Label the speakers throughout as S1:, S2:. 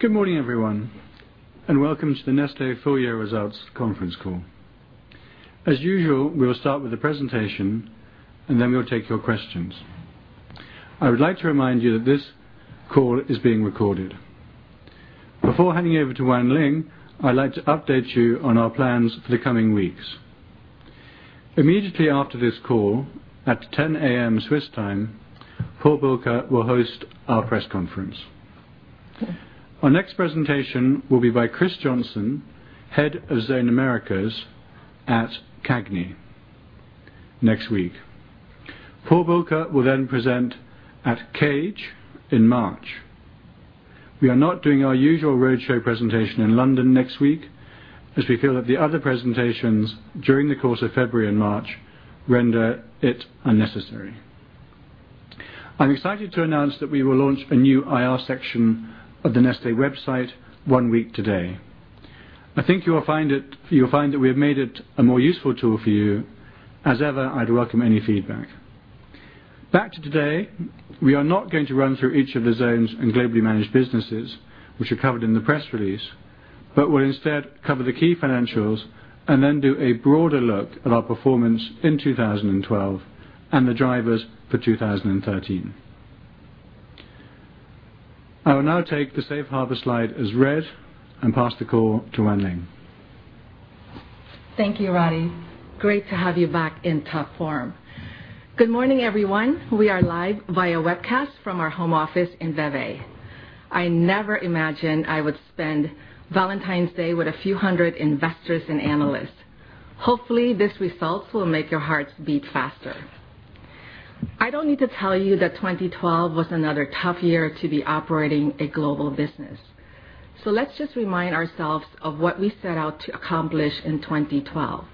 S1: Good morning, everyone, welcome to the Nestlé full year results conference call. As usual, we will start with the presentation, then we'll take your questions. I would like to remind you that this call is being recorded. Before handing over to Wan Ling, I'd like to update you on our plans for the coming weeks. Immediately after this call, at 10:00 A.M., Swiss time, Paul Bulcke will host our press conference. Our next presentation will be by Chris Johnson, Head of Zone Americas, at CAGNY next week. Paul Bulcke will present at CAGE in March. We are not doing our usual roadshow presentation in London next week, as we feel that the other presentations during the course of February and March render it unnecessary. I'm excited to announce that we will launch a new IR section of the Nestlé website one week today. I think you will find that we have made it a more useful tool for you. As ever, I'd welcome any feedback. Back to today, we are not going to run through each of the zones in Globally Managed Businesses, which are covered in the press release, but will instead cover the key financials, then do a broader look at our performance in 2012 and the drivers for 2013. I will now take the safe harbor slide as read and pass the call to Wan Ling.
S2: Thank you, Roddy. Great to have you back in top form. Good morning, everyone. We are live via webcast from our home office in Vevey. I never imagined I would spend Valentine's Day with a few hundred investors and analysts. Hopefully, these results will make your hearts beat faster. I don't need to tell you that 2012 was another tough year to be operating a global business. Let's just remind ourselves of what we set out to accomplish in 2012.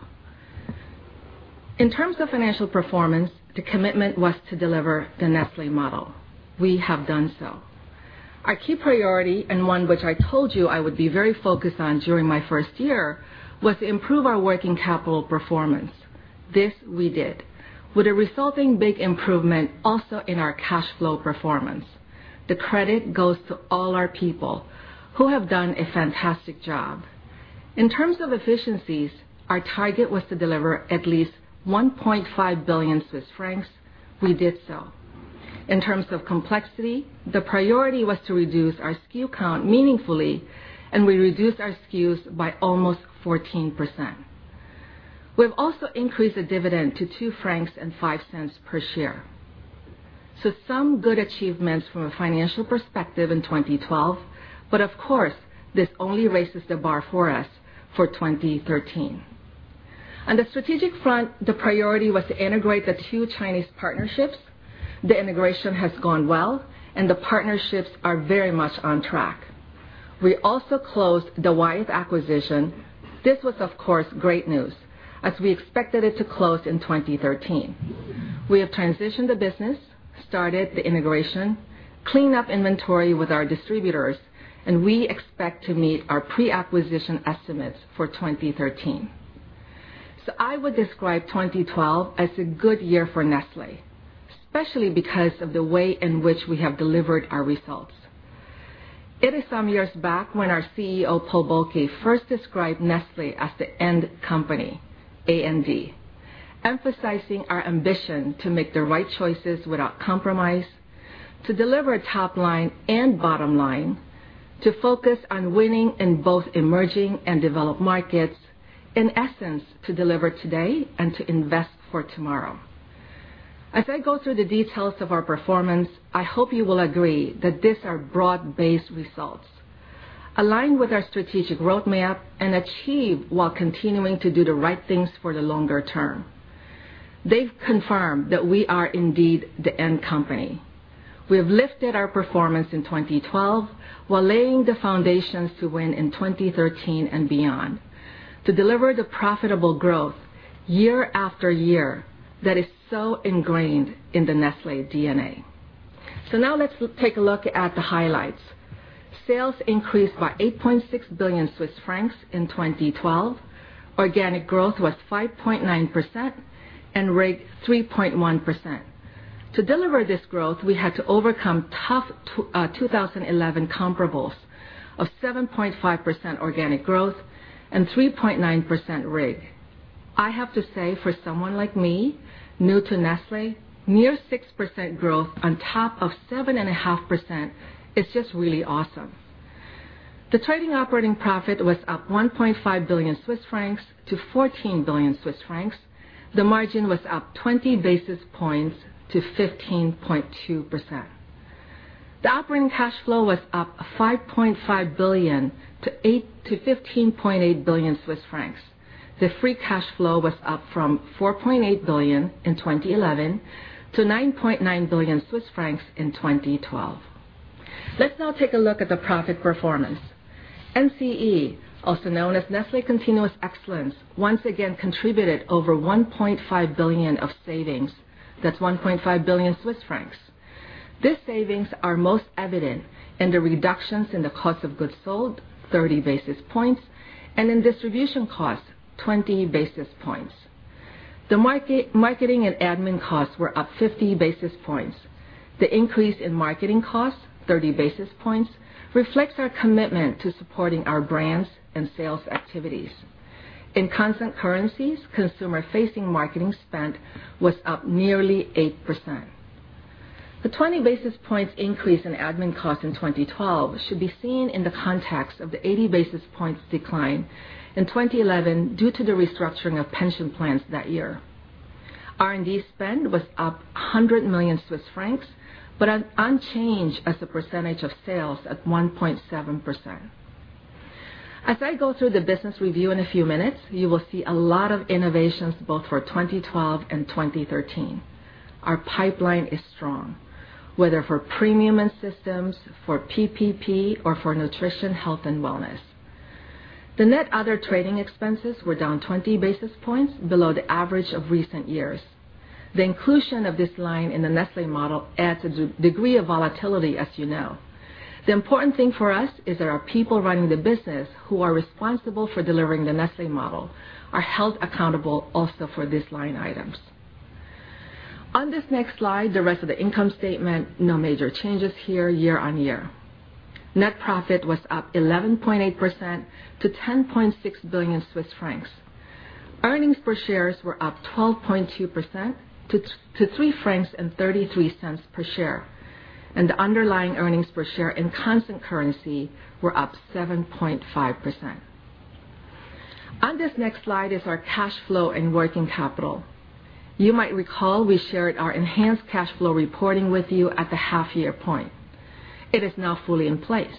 S2: In terms of financial performance, the commitment was to deliver the Nestlé model. We have done so. Our key priority, and one which I told you I would be very focused on during my first year, was to improve our working capital performance. This we did with a resulting big improvement also in our cash flow performance. The credit goes to all our people who have done a fantastic job. In terms of efficiencies, our target was to deliver at least 1.5 billion Swiss francs. We did so. In terms of complexity, the priority was to reduce our SKU count meaningfully, we reduced our SKUs by almost 14%. We've also increased the dividend to 2.05 francs per share. Some good achievements from a financial perspective in 2012, of course, this only raises the bar for us for 2013. On the strategic front, the priority was to integrate the two Chinese partnerships. The integration has gone well, the partnerships are very much on track. We also closed the Wyeth acquisition. This was, of course, great news as we expected it to close in 2013. We have transitioned the business, started the integration, cleaned up inventory with our distributors, and we expect to meet our pre-acquisition estimates for 2013. I would describe 2012 as a good year for Nestlé, especially because of the way in which we have delivered our results. It is some years back when our CEO, Paul Bulcke, first described Nestlé as the AND company, A-N-D, emphasizing our ambition to make the right choices without compromise, to deliver top line and bottom line, to focus on winning in both emerging and developed markets. In essence, to deliver today and to invest for tomorrow. As I go through the details of our performance, I hope you will agree that these are broad-based results, aligned with our strategic roadmap and achieved while continuing to do the right things for the longer term. They've confirmed that we are indeed the AND company. We have lifted our performance in 2012 while laying the foundations to win in 2013 and beyond, to deliver the profitable growth year after year that is so ingrained in the Nestlé DNA. Now let's take a look at the highlights. Sales increased by 8.6 billion Swiss francs in 2012. Organic growth was 5.9% and RIG 3.1%. To deliver this growth, we had to overcome tough 2011 comparables of 7.5% organic growth and 3.9% RIG. I have to say, for someone like me, new to Nestlé, near 6% growth on top of 7.5% is just really awesome. The trading operating profit was up 1.5 billion Swiss francs to 14 billion Swiss francs. The margin was up 20 basis points to 15.2%. The operating cash flow was up 5.5 billion to 15.8 billion Swiss francs. The free cash flow was up from 4.8 billion in 2011 to 9.9 billion Swiss francs in 2012. Let's now take a look at the profit performance. NCE, also known as Nestlé Continuous Excellence, once again contributed over 1.5 billion of savings. That's 1.5 billion Swiss francs. These savings are most evident in the reductions in the cost of goods sold, 30 basis points, and in distribution costs, 20 basis points. The marketing and admin costs were up 50 basis points. The increase in marketing costs, 30 basis points, reflects our commitment to supporting our brands and sales activities. In constant currencies, consumer-facing marketing spend was up nearly 8%. The 20 basis points increase in admin costs in 2012 should be seen in the context of the 80 basis points decline in 2011, due to the restructuring of pension plans that year. R&D spend was up 100 million Swiss francs, but unchanged as a percentage of sales at 1.7%. As I go through the business review in a few minutes, you will see a lot of innovations both for 2012 and 2013. Our pipeline is strong, whether for premium and systems, for PPP, or for nutrition, health, and wellness. The net other trading expenses were down 20 basis points below the average of recent years. The inclusion of this line in the Nestlé model adds a degree of volatility, as you know. The important thing for us is that our people running the business, who are responsible for delivering the Nestlé model, are held accountable also for these line items. On this next slide, the rest of the income statement, no major changes here year on year. Net profit was up 11.8% to 10.6 billion Swiss francs. Earnings per shares were up 12.2% to 3.33 francs per share, and the underlying earnings per share in constant currency were up 7.5%. On this next slide is our cash flow and working capital. You might recall we shared our enhanced cash flow reporting with you at the half year point. It is now fully in place.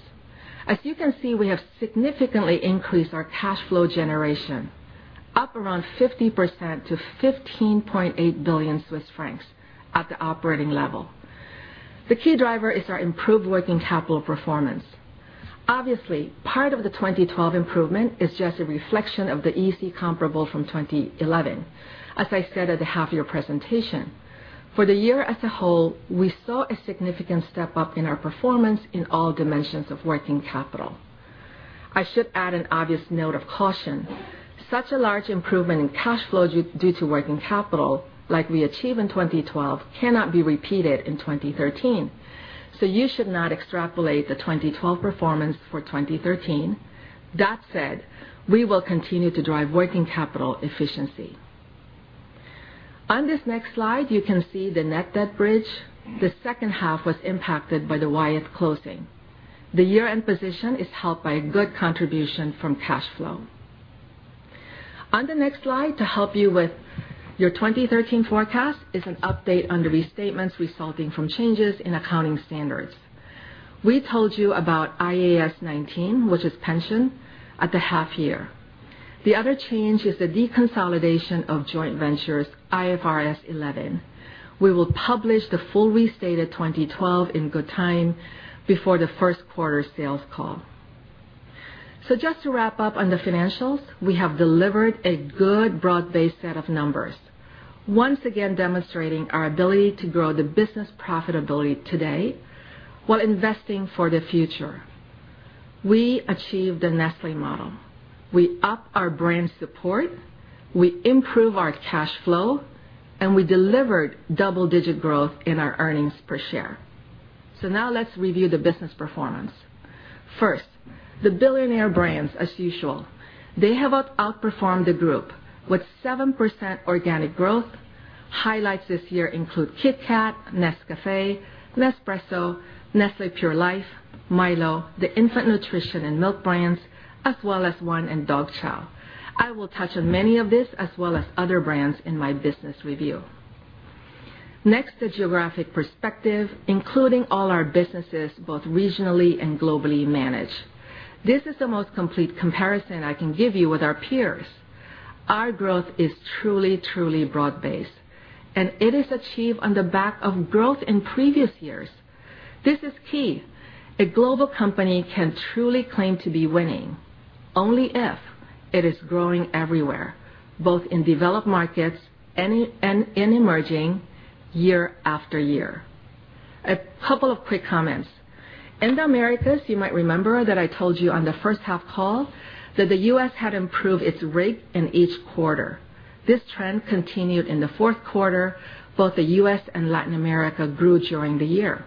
S2: As you can see, we have significantly increased our cash flow generation, up around 50% to 15.8 billion Swiss francs at the operating level. The key driver is our improved working capital performance. Obviously, part of the 2012 improvement is just a reflection of the easy comparable from 2011, as I said at the half year presentation. For the year as a whole, we saw a significant step up in our performance in all dimensions of working capital. I should add an obvious note of caution. Such a large improvement in cash flow due to working capital, like we achieved in 2012, cannot be repeated in 2013. You should not extrapolate the 2012 performance for 2013. That said, we will continue to drive working capital efficiency. On this next slide, you can see the net debt bridge. The second half was impacted by the Wyeth closing. The year-end position is helped by a good contribution from cash flow. On the next slide, to help you with your 2013 forecast, is an update on the restatements resulting from changes in accounting standards. We told you about IAS 19, which is pension, at the half year. The other change is the deconsolidation of joint ventures, IFRS 11. We will publish the full restated 2012 in good time before the first quarter sales call. Just to wrap up on the financials, we have delivered a good broad-based set of numbers, once again demonstrating our ability to grow the business profitability today while investing for the future. We achieved the Nestlé model. We up our brand support, we improved our cash flow, and we delivered double-digit growth in our earnings per share. Now let's review the business performance. First, the billionaire brands as usual. They have outperformed the group with 7% organic growth. Highlights this year include KitKat, Nescafé, Nespresso, Nestlé Pure Life, Milo, the infant nutrition and milk brands, as well as Purina ONE and Dog Chow. I will touch on many of these as well as other brands in my business review. Next, the geographic perspective, including all our businesses, both regionally and Globally Managed. This is the most complete comparison I can give you with our peers. Our growth is truly broad based. It is achieved on the back of growth in previous years. This is key. A global company can truly claim to be winning only if it is growing everywhere, both in developed markets and in emerging, year after year. A couple of quick comments. In the Americas, you might remember that I told you on the first half call that the U.S. had improved its rate in each quarter. This trend continued in the fourth quarter. Both the U.S. and Latin America grew during the year.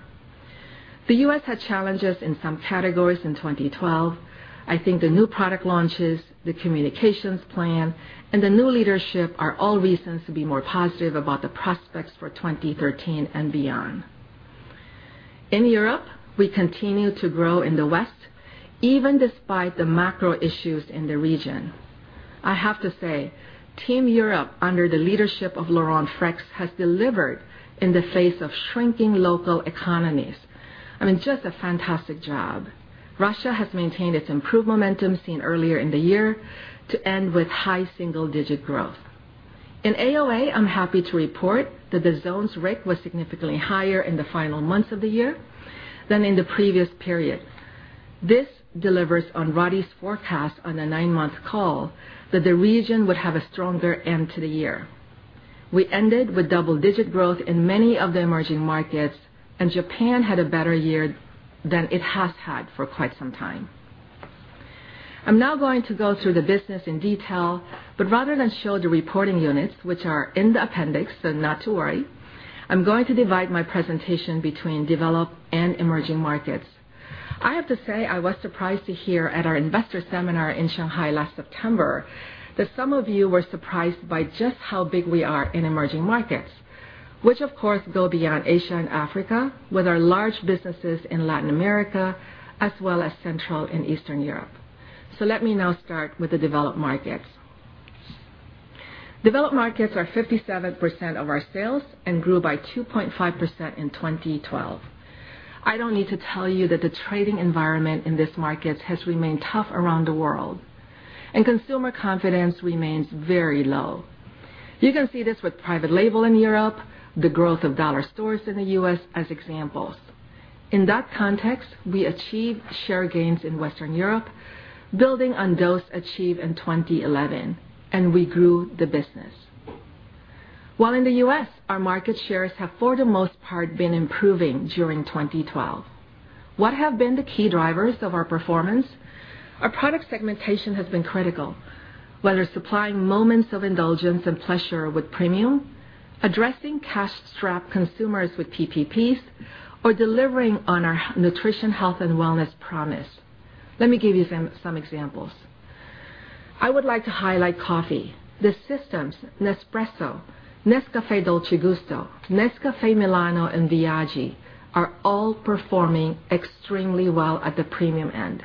S2: The U.S. had challenges in some categories in 2012. I think the new product launches, the communications plan, and the new leadership are all reasons to be more positive about the prospects for 2013 and beyond. In Europe, we continue to grow in the West, even despite the macro issues in the region. I have to say, Team Europe, under the leadership of Laurent Freixe, has delivered in the face of shrinking local economies. I mean, just a fantastic job. Russia has maintained its improved momentum seen earlier in the year to end with high single-digit growth. In Zone AOA, I am happy to report that the zone's rate was significantly higher in the final months of the year than in the previous period. This delivers on Roddy's forecast on the nine-month call that the region would have a stronger end to the year. We ended with double-digit growth in many of the emerging markets, and Japan had a better year than it has had for quite some time. I am now going to go through the business in detail, but rather than show the reporting units, which are in the appendix, so not to worry, I am going to divide my presentation between developed and emerging markets. I have to say, I was surprised to hear at our investor seminar in Shanghai last September, that some of you were surprised by just how big we are in emerging markets, which, of course, go beyond Asia and Africa, with our large businesses in Latin America as well as Central and Eastern Europe. Let me now start with the developed markets. Developed markets are 57% of our sales and grew by 2.5% in 2012. I do not need to tell you that the trading environment in these markets has remained tough around the world, and consumer confidence remains very low. You can see this with private label in Europe, the growth of dollar stores in the U.S. as examples. In that context, we achieved share gains in Western Europe, building on those achieved in 2011, and we grew the business. While in the U.S., our market shares have, for the most part, been improving during 2012. What have been the key drivers of our performance? Our product segmentation has been critical. Whether supplying moments of indulgence and pleasure with premium, addressing cash-strapped consumers with PPPs, or delivering on our nutrition, health, and wellness promise. Let me give you some examples. I would like to highlight coffee. The systems Nespresso, Nescafé Dolce Gusto, Nescafé Milano, and Viaggi are all performing extremely well at the premium end.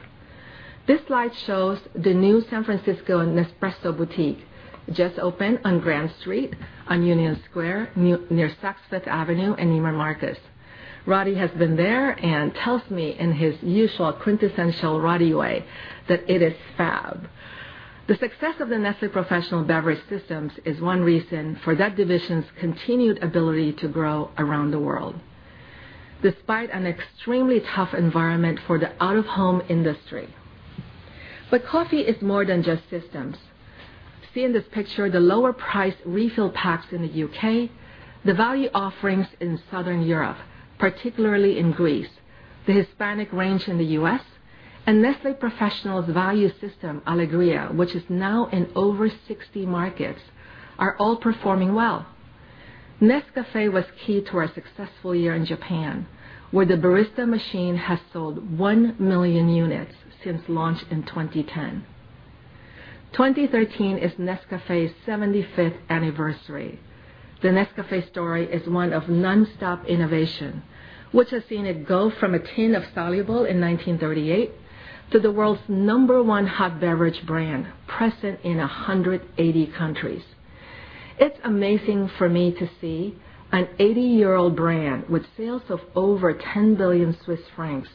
S2: This slide shows the new San Francisco Nespresso boutique, just opened on Grant Street on Union Square, near Saks Fifth Avenue and Neiman Marcus. Roddy has been there and tells me in his usual quintessential Roddy way that it is fab. The success of the Nestlé Professional Beverage Systems is one reason for that division's continued ability to grow around the world, despite an extremely tough environment for the out-of-home industry. Coffee is more than just systems. See in this picture, the lower price refill packs in the U.K., the value offerings in Southern Europe, particularly in Greece, the Hispanic range in the U.S., and Nestlé Professional's value system, Nescafé Alegria, which is now in over 60 markets, are all performing well. Nescafé was key to our successful year in Japan, where the Nescafé Barista machine has sold one million units since launch in 2010. 2013 is Nescafé's 75th anniversary. The Nescafé story is one of nonstop innovation, which has seen it go from a tin of soluble in 1938 to the world's number 1 hot beverage brand, present in 180 countries. It's amazing for me to see an 80-year-old brand with sales of over 10 billion Swiss francs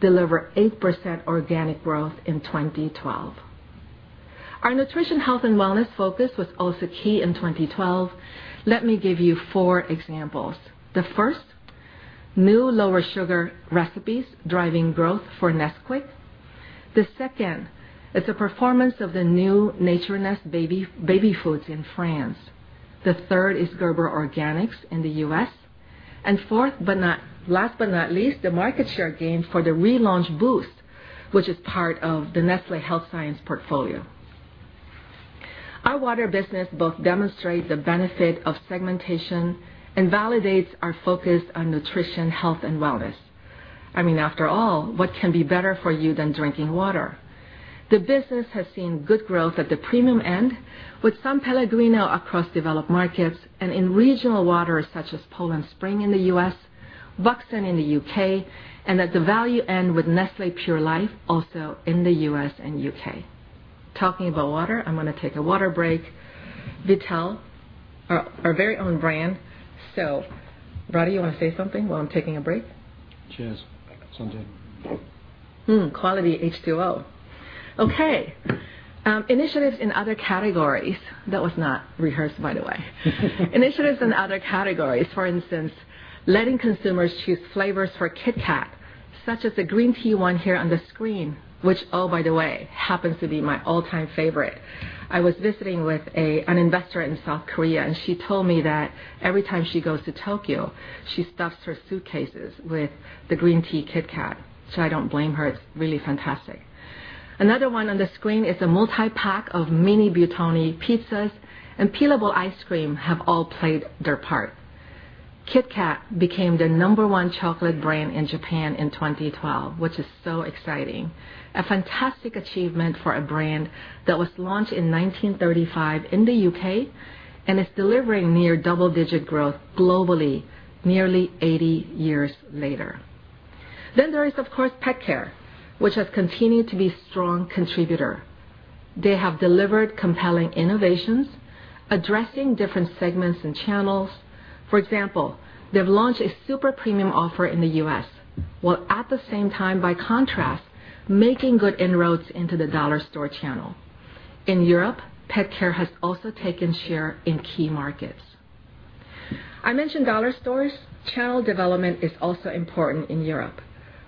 S2: deliver 8% organic growth in 2012. Our nutrition, health, and wellness focus was also key in 2012. Let me give you four examples. The first, new lower sugar recipes driving growth for Nesquik. The second is the performance of the new NaturNes baby foods in France. The third is Gerber Organic in the U.S. Fourth, last but not least, the market share gain for the relaunched BOOST, which is part of the Nestlé Health Science portfolio. Our water business both demonstrates the benefit of segmentation and validates our focus on nutrition, health, and wellness. After all, what can be better for you than drinking water? The business has seen good growth at the premium end with S.Pellegrino across developed markets and in regional waters such as Poland Spring in the U.S., Buxton in the U.K., and at the value end with Nestlé Pure Life, also in the U.S. and U.K. Talking about water, I'm going to take a water break. Vittel, our very own brand. Roddy, you want to say something while I'm taking a break?
S1: Cheers.
S2: Quality H2O. Okay. Initiatives in other categories. That was not rehearsed, by the way. Initiatives in other categories, for instance, letting consumers choose flavors for KitKat, such as the green tea one here on the screen, which, oh, by the way, happens to be my all-time favorite. I was visiting with an investor in South Korea, and she told me that every time she goes to Tokyo, she stuffs her suitcases with the green tea KitKat. I don't blame her. It's really fantastic. Another one on the screen is a multi-pack of mini Buitoni pizzas and peelable ice cream have all played their part. KitKat became the number 1 chocolate brand in Japan in 2012, which is so exciting. A fantastic achievement for a brand that was launched in 1935 in the U.K. and is delivering near double-digit growth globally nearly 80 years later. There is, of course, PetCare, which has continued to be a strong contributor. They have delivered compelling innovations addressing different segments and channels. For example, they've launched a super premium offer in the U.S., while at the same time, by contrast, making good inroads into the dollar store channel. In Europe, PetCare has also taken share in key markets. I mentioned dollar stores. Channel development is also important in Europe,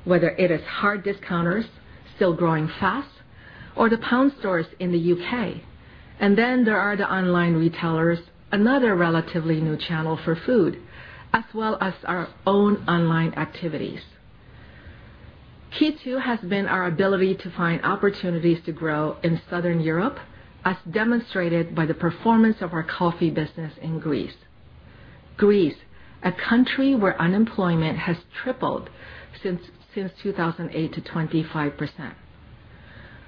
S2: whether it is hard discounters still growing fast or the pound stores in the U.K. There are the online retailers, another relatively new channel for food, as well as our own online activities. Key too has been our ability to find opportunities to grow in Southern Europe, as demonstrated by the performance of our coffee business in Greece. Greece, a country where unemployment has tripled since 2008 to 25%.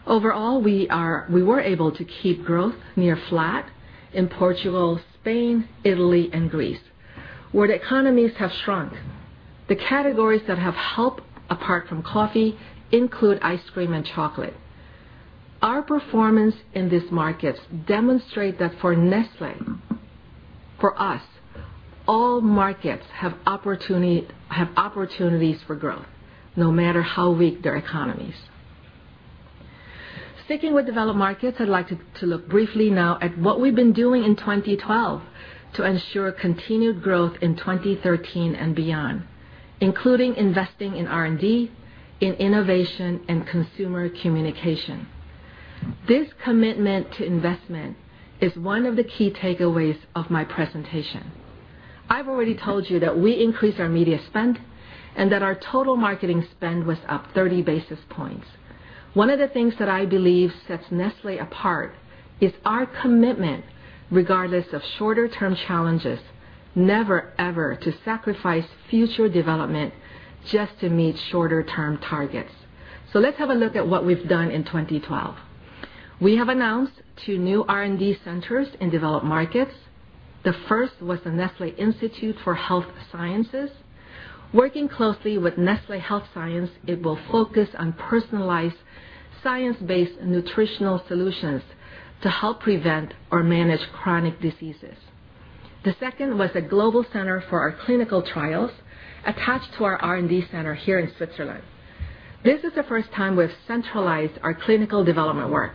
S2: Overall, we were able to keep growth near flat in Portugal, Spain, Italy, and Greece, where the economies have shrunk. The categories that have helped, apart from coffee, include ice cream and chocolate. Our performance in these markets demonstrate that for Nestlé, for us, all markets have opportunities for growth, no matter how weak their economies. Sticking with developed markets, I'd like to look briefly now at what we've been doing in 2012 to ensure continued growth in 2013 and beyond, including investing in R&D, in innovation, and consumer communication. This commitment to investment is one of the key takeaways of my presentation. I've already told you that we increased our media spend and that our total marketing spend was up 30 basis points. One of the things that I believe sets Nestlé apart is our commitment, regardless of shorter term challenges, never ever to sacrifice future development just to meet shorter term targets. Let's have a look at what we've done in 2012. We have announced two new R&D centers in developed markets. The first was the Nestlé Institute of Health Sciences. Working closely with Nestlé Health Science, it will focus on personalized science-based nutritional solutions to help prevent or manage chronic diseases. The second was a global center for our clinical trials attached to our R&D center here in Switzerland. This is the first time we've centralized our clinical development work.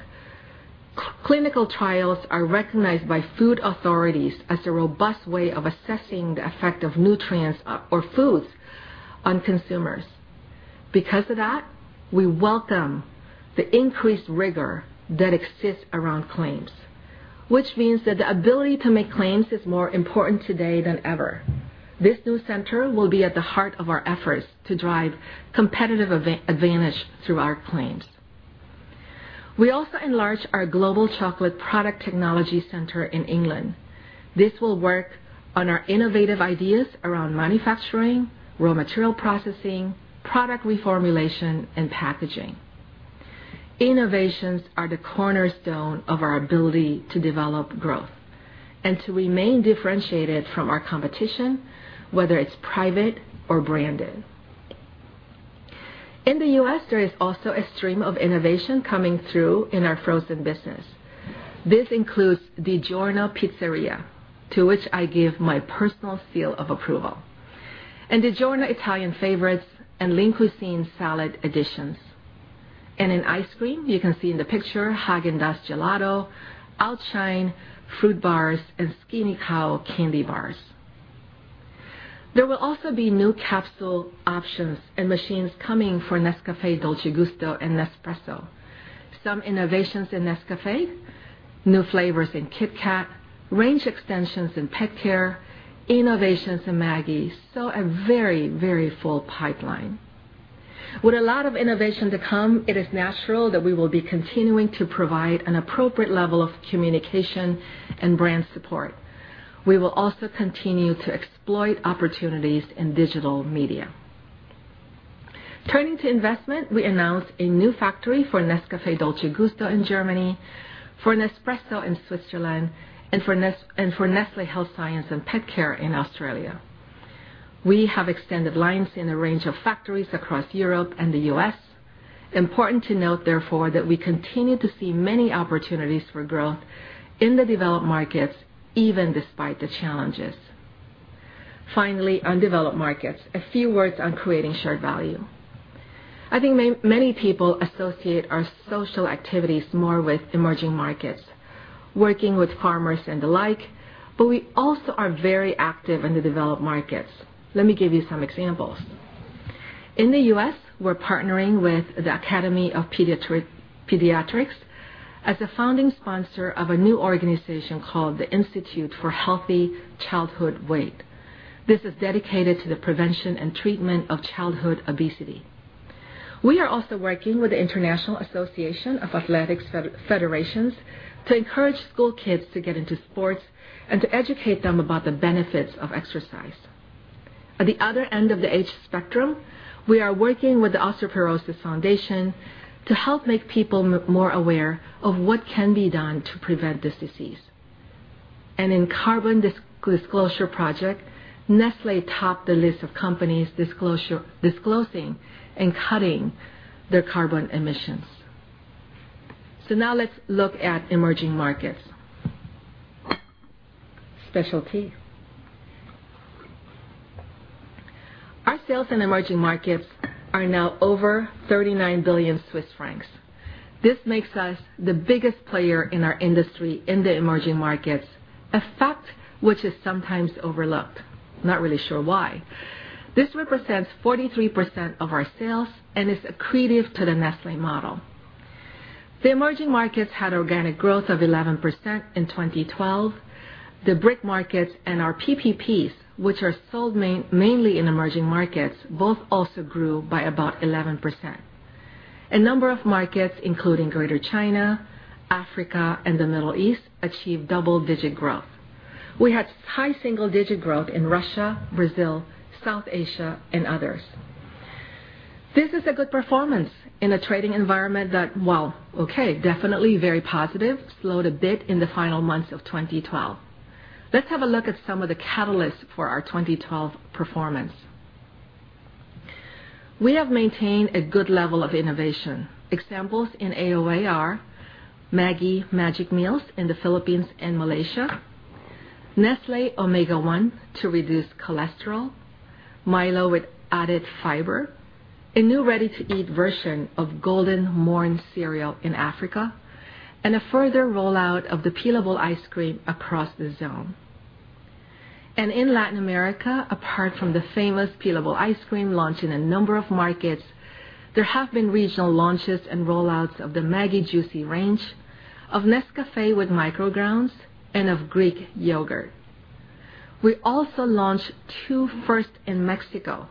S2: Clinical trials are recognized by food authorities as a robust way of assessing the effect of nutrients or foods on consumers. Because of that, we welcome the increased rigor that exists around claims. Which means that the ability to make claims is more important today than ever. This new center will be at the heart of our efforts to drive competitive advantage through our claims. We also enlarged our global chocolate product technology center in England. This will work on our innovative ideas around manufacturing, raw material processing, product reformulation, and packaging. Innovations are the cornerstone of our ability to develop growth and to remain differentiated from our competition, whether it's private or branded. In the U.S., there is also a stream of innovation coming through in our frozen business. This includes DiGiorno Pizzeria!, to which I give my personal seal of approval, and DiGiorno Italian Style Favorites, and Lean Cuisine Salad Additions. In ice cream, you can see in the picture Häagen-Dazs Gelato, Outshine Fruit Bars, and SkinnyCow candy bars. There will also be new capsule options and machines coming for Nescafé Dolce Gusto and Nespresso. Some innovations in Nescafé, new flavors in KitKat, range extensions in pet care, innovations in Maggi. A very full pipeline. With a lot of innovation to come, it is natural that we will be continuing to provide an appropriate level of communication and brand support. We will also continue to exploit opportunities in digital media. Turning to investment, we announced a new factory for Nescafé Dolce Gusto in Germany, for Nespresso in Switzerland, and for Nestlé Health Science and Pet Care in Australia. We have extended lines in a range of factories across Europe and the U.S. Important to note, therefore, that we continue to see many opportunities for growth in the developed markets, even despite the challenges. Finally, on developed markets, a few words on creating shared value. I think many people associate our social activities more with emerging markets, working with farmers and the like, but we also are very active in the developed markets. Let me give you some examples. In the U.S., we're partnering with the American Academy of Pediatrics as a founding sponsor of a new organization called the Institute for Healthy Childhood Weight. This is dedicated to the prevention and treatment of childhood obesity. We are also working with the International Association of Athletics Federations to encourage school kids to get into sports and to educate them about the benefits of exercise. At the other end of the age spectrum, we are working with the International Osteoporosis Foundation to help make people more aware of what can be done to prevent this disease. In Carbon Disclosure Project, Nestlé topped the list of companies disclosing and cutting their carbon emissions. Now let's look at emerging markets. Our sales in emerging markets are now over 39 billion Swiss francs. This makes us the biggest player in our industry in the emerging markets, a fact which is sometimes overlooked. Not really sure why. This represents 43% of our sales and is accretive to the Nestlé model. The emerging markets had organic growth of 11% in 2012. The BRIC markets and our PPPs, which are sold mainly in emerging markets, both also grew by about 11%. A number of markets, including Greater China, Africa, and the Middle East, achieved double-digit growth. We had high single-digit growth in Russia, Brazil, South Asia, and others. This is a good performance in a trading environment that, while okay, definitely very positive, slowed a bit in the final months of 2012. Let's have a look at some of the catalysts for our 2012 performance. We have maintained a good level of innovation. Examples in AOA are Maggi Magic Meals in the Philippines and Malaysia, Nestlé Omega Plus to reduce cholesterol, Milo with added fiber, a new ready-to-eat version of Golden Morn cereal in Africa, and a further rollout of the peelable ice cream across the zone. In Latin America, apart from the famous peelable ice cream launched in a number of markets, there have been regional launches and rollouts of the Maggi Juicy range, of Nescafé with microgrounds, and of Greek yogurt. We also launched two firsts in Mexico,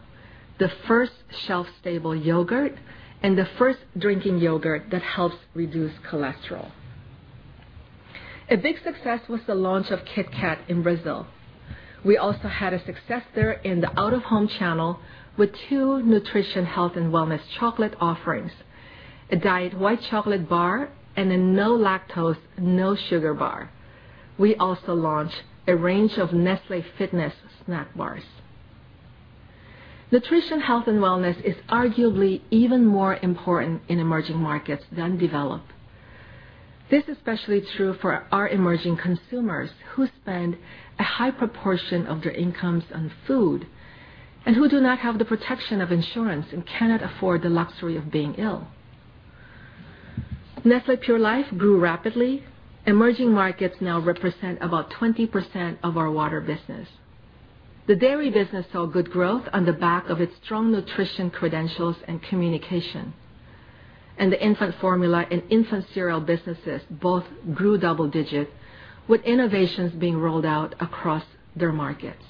S2: the first shelf-stable yogurt and the first drinking yogurt that helps reduce cholesterol. A big success was the launch of KitKat in Brazil. We also had a success there in the out-of-home channel with two nutrition, health, and wellness chocolate offerings, a diet white chocolate bar and a no lactose, no sugar bar. We also launched a range of Nestlé Fitness snack bars. Nutrition, health, and wellness is arguably even more important in emerging markets than developed. This is especially true for our emerging consumers, who spend a high proportion of their incomes on food and who do not have the protection of insurance and cannot afford the luxury of being ill. Nestlé Pure Life grew rapidly. Emerging markets now represent about 20% of our water business. The dairy business saw good growth on the back of its strong nutrition credentials and communication. The infant formula and infant cereal businesses both grew double digits, with innovations being rolled out across their markets.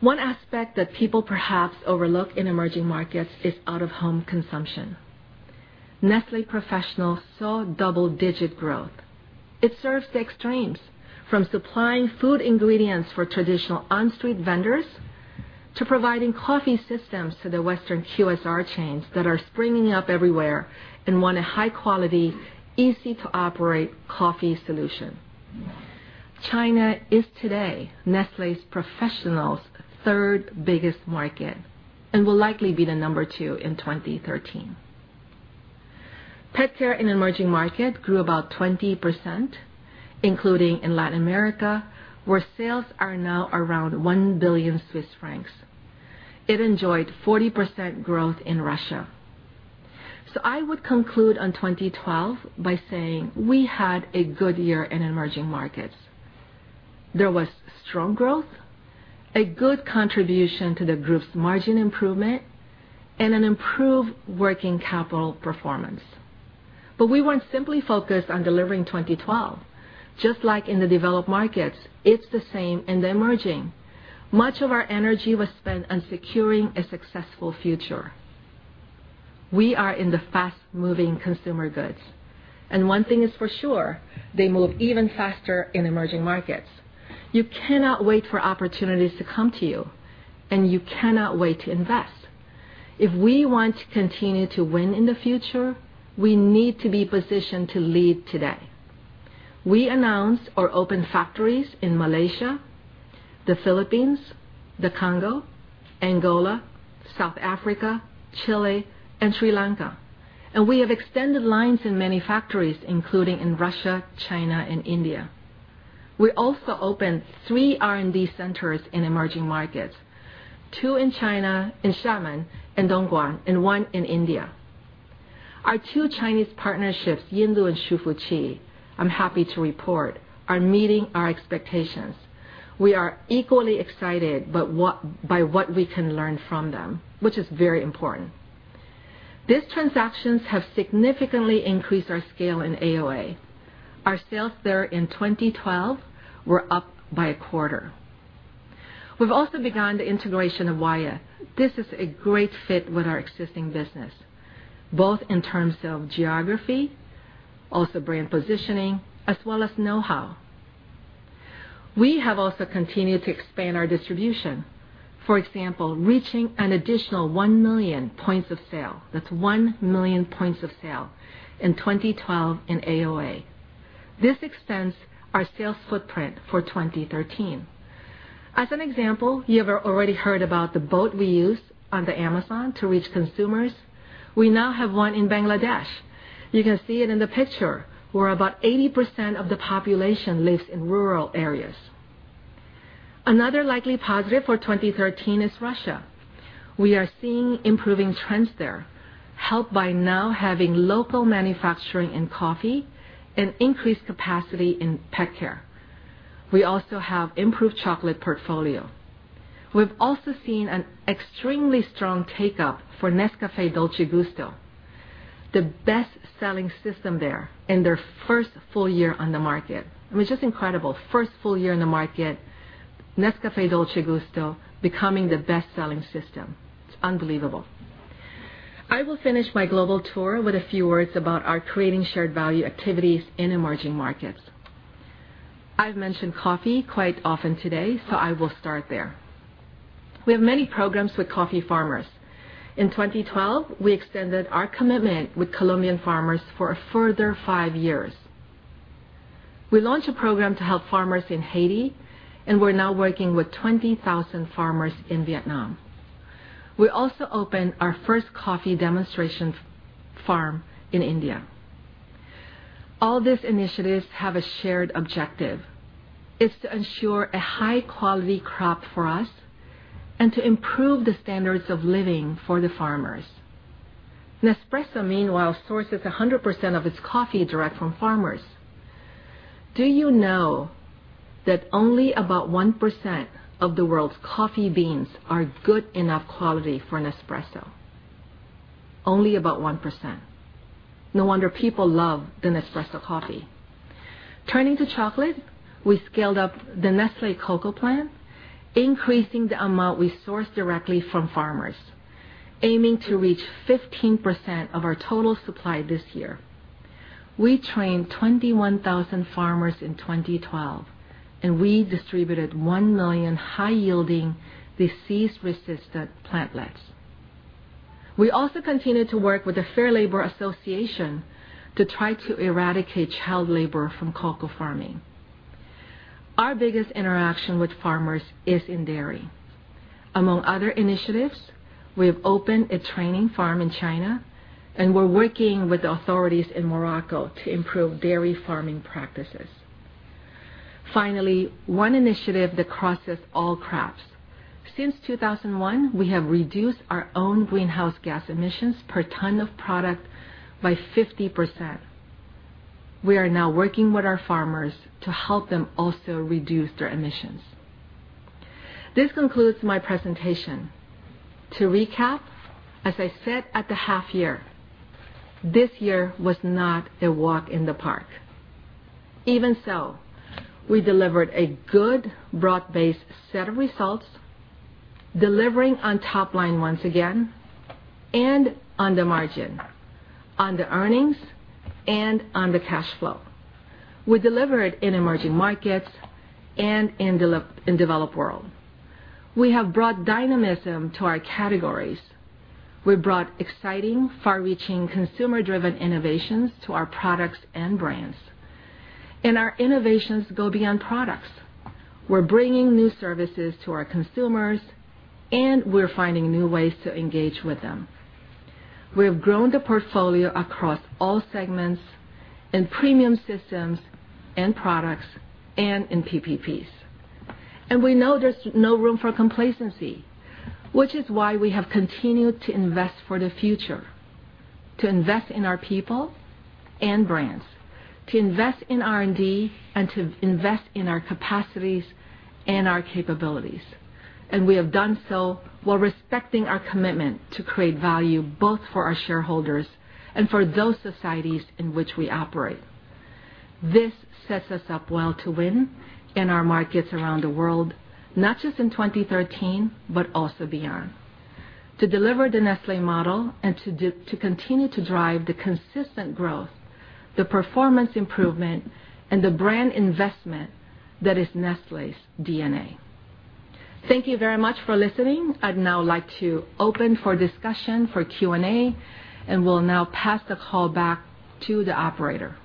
S2: One aspect that people perhaps overlook in emerging markets is out-of-home consumption. Nestlé Professional saw double-digit growth. It serves the extremes, from supplying food ingredients for traditional on-street vendors to providing coffee systems to the Western QSR chains that are springing up everywhere and want a high-quality, easy-to-operate coffee solution. China is today Nestlé Professional's third-biggest market and will likely be the number 2 in 2013. Pet care in emerging markets grew about 20%, including in Latin America, where sales are now around 1 billion Swiss francs. It enjoyed 40% growth in Russia. I would conclude on 2012 by saying we had a good year in emerging markets. There was strong growth, a good contribution to the group's margin improvement, and an improved working capital performance. We weren't simply focused on delivering 2012. Just like in the developed markets, it's the same in the emerging. Much of our energy was spent on securing a successful future. We are in the fast-moving consumer goods, one thing is for sure, they move even faster in emerging markets. You cannot wait for opportunities to come to you, and you cannot wait to invest. If we want to continue to win in the future, we need to be positioned to lead today. We announced our open factories in Malaysia, the Philippines, the Congo, Angola, South Africa, Chile, and Sri Lanka. We have extended lines in many factories, including in Russia, China, and India. We also opened three R&D centers in emerging markets, two in China, in Xiamen and Dongguan, and one in India. Our two Chinese partnerships, Yinlu and Hsu Fu Chi, I'm happy to report, are meeting our expectations. We are equally excited by what we can learn from them, which is very important. These transactions have significantly increased our scale in AOA. Our sales there in 2012 were up by a quarter. We've also begun the integration of Wyeth. This is a great fit with our existing business, both in terms of geography, also brand positioning, as well as know-how. We have also continued to expand our distribution. For example, reaching an additional 1 million points of sale. That's 1 million points of sale in 2012 in AOA. This extends our sales footprint for 2013. As an example, you have already heard about the boat we use on the Amazon to reach consumers. We now have one in Bangladesh. You can see it in the picture, where about 80% of the population lives in rural areas. Another likely positive for 2013 is Russia. We are seeing improving trends there, helped by now having local manufacturing in coffee and increased capacity in pet care. We also have improved chocolate portfolio. We've also seen an extremely strong take-up for Nescafé Dolce Gusto, the best-selling system there in their first full year on the market. It was just incredible. First full year in the market, Nescafé Dolce Gusto becoming the best-selling system. It's unbelievable. I will finish my global tour with a few words about our creating shared value activities in emerging markets. I've mentioned coffee quite often today, I will start there. We have many programs with coffee farmers. In 2012, we extended our commitment with Colombian farmers for a further five years. We launched a program to help farmers in Haiti, we're now working with 20,000 farmers in Vietnam. We also opened our first coffee demonstration farm in India. All these initiatives have a shared objective. It's to ensure a high-quality crop for us and to improve the standards of living for the farmers. Nespresso, meanwhile, sources 100% of its coffee direct from farmers. Do you know that only about 1% of the world's coffee beans are good enough quality for Nespresso? Only about 1%. No wonder people love the Nespresso coffee. Turning to chocolate, we scaled up the Nestlé Cocoa Plan, increasing the amount we source directly from farmers, aiming to reach 15% of our total supply this year. We trained 21,000 farmers in 2012. We distributed 1 million high-yielding, disease-resistant plantlets. We also continued to work with the Fair Labor Association to try to eradicate child labor from cocoa farming. Our biggest interaction with farmers is in dairy. Among other initiatives, we have opened a training farm in China. We're working with the authorities in Morocco to improve dairy farming practices. Finally, one initiative that crosses all crops. Since 2001, we have reduced our own greenhouse gas emissions per ton of product by 50%. We are now working with our farmers to help them also reduce their emissions. This concludes my presentation. To recap, as I said at the half year, this year was not a walk in the park. Even so, we delivered a good broad-based set of results, delivering on top line once again, on the margin, on the earnings, and on the cash flow. We delivered in emerging markets and in developed world. We have brought dynamism to our categories. We brought exciting, far-reaching, consumer-driven innovations to our products and brands. Our innovations go beyond products. We're bringing new services to our consumers, and we're finding new ways to engage with them. We have grown the portfolio across all segments in premium systems, and products, and in PPPs. We know there's no room for complacency, which is why we have continued to invest for the future, to invest in our people and brands, to invest in R&D, and to invest in our capacities and our capabilities. We have done so while respecting our commitment to create value both for our shareholders and for those societies in which we operate. This sets us up well to win in our markets around the world, not just in 2013, but also beyond. To deliver the Nestlé model and to continue to drive the consistent growth, the performance improvement, and the brand investment that is Nestlé's DNA. Thank you very much for listening. I'd now like to open for discussion for Q&A. I will now pass the call back to the operator.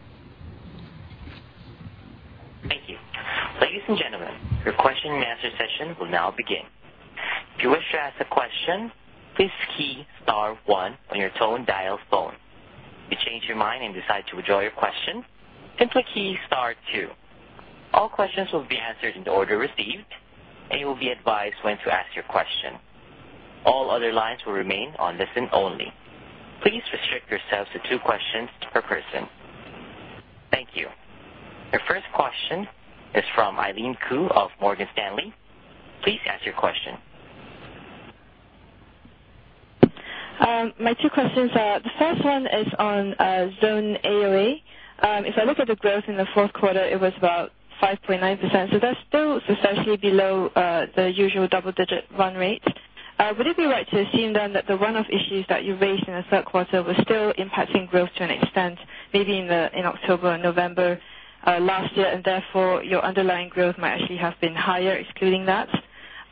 S3: Thank you. Ladies and gentlemen, your question and answer session will now begin. If you wish to ask a question, please key star 1 on your tone dial phone. If you change your mind and decide to withdraw your question, simply key star 2. All questions will be answered in the order received. You will be advised when to ask your question. All other lines will remain on listen only. Please restrict yourselves to two questions per person. Thank you. Your first question is from Eileen Khoo of Morgan Stanley. Please ask your question.
S4: My two questions are, the first one is on Zone AOA. If I look at the growth in the fourth quarter, it was about 5.9%. That's still substantially below the usual double-digit run rate. Would it be right to assume then that the run of issues that you raised in the third quarter were still impacting growth to an extent, maybe in October or November last year, and therefore, your underlying growth might actually have been higher excluding that?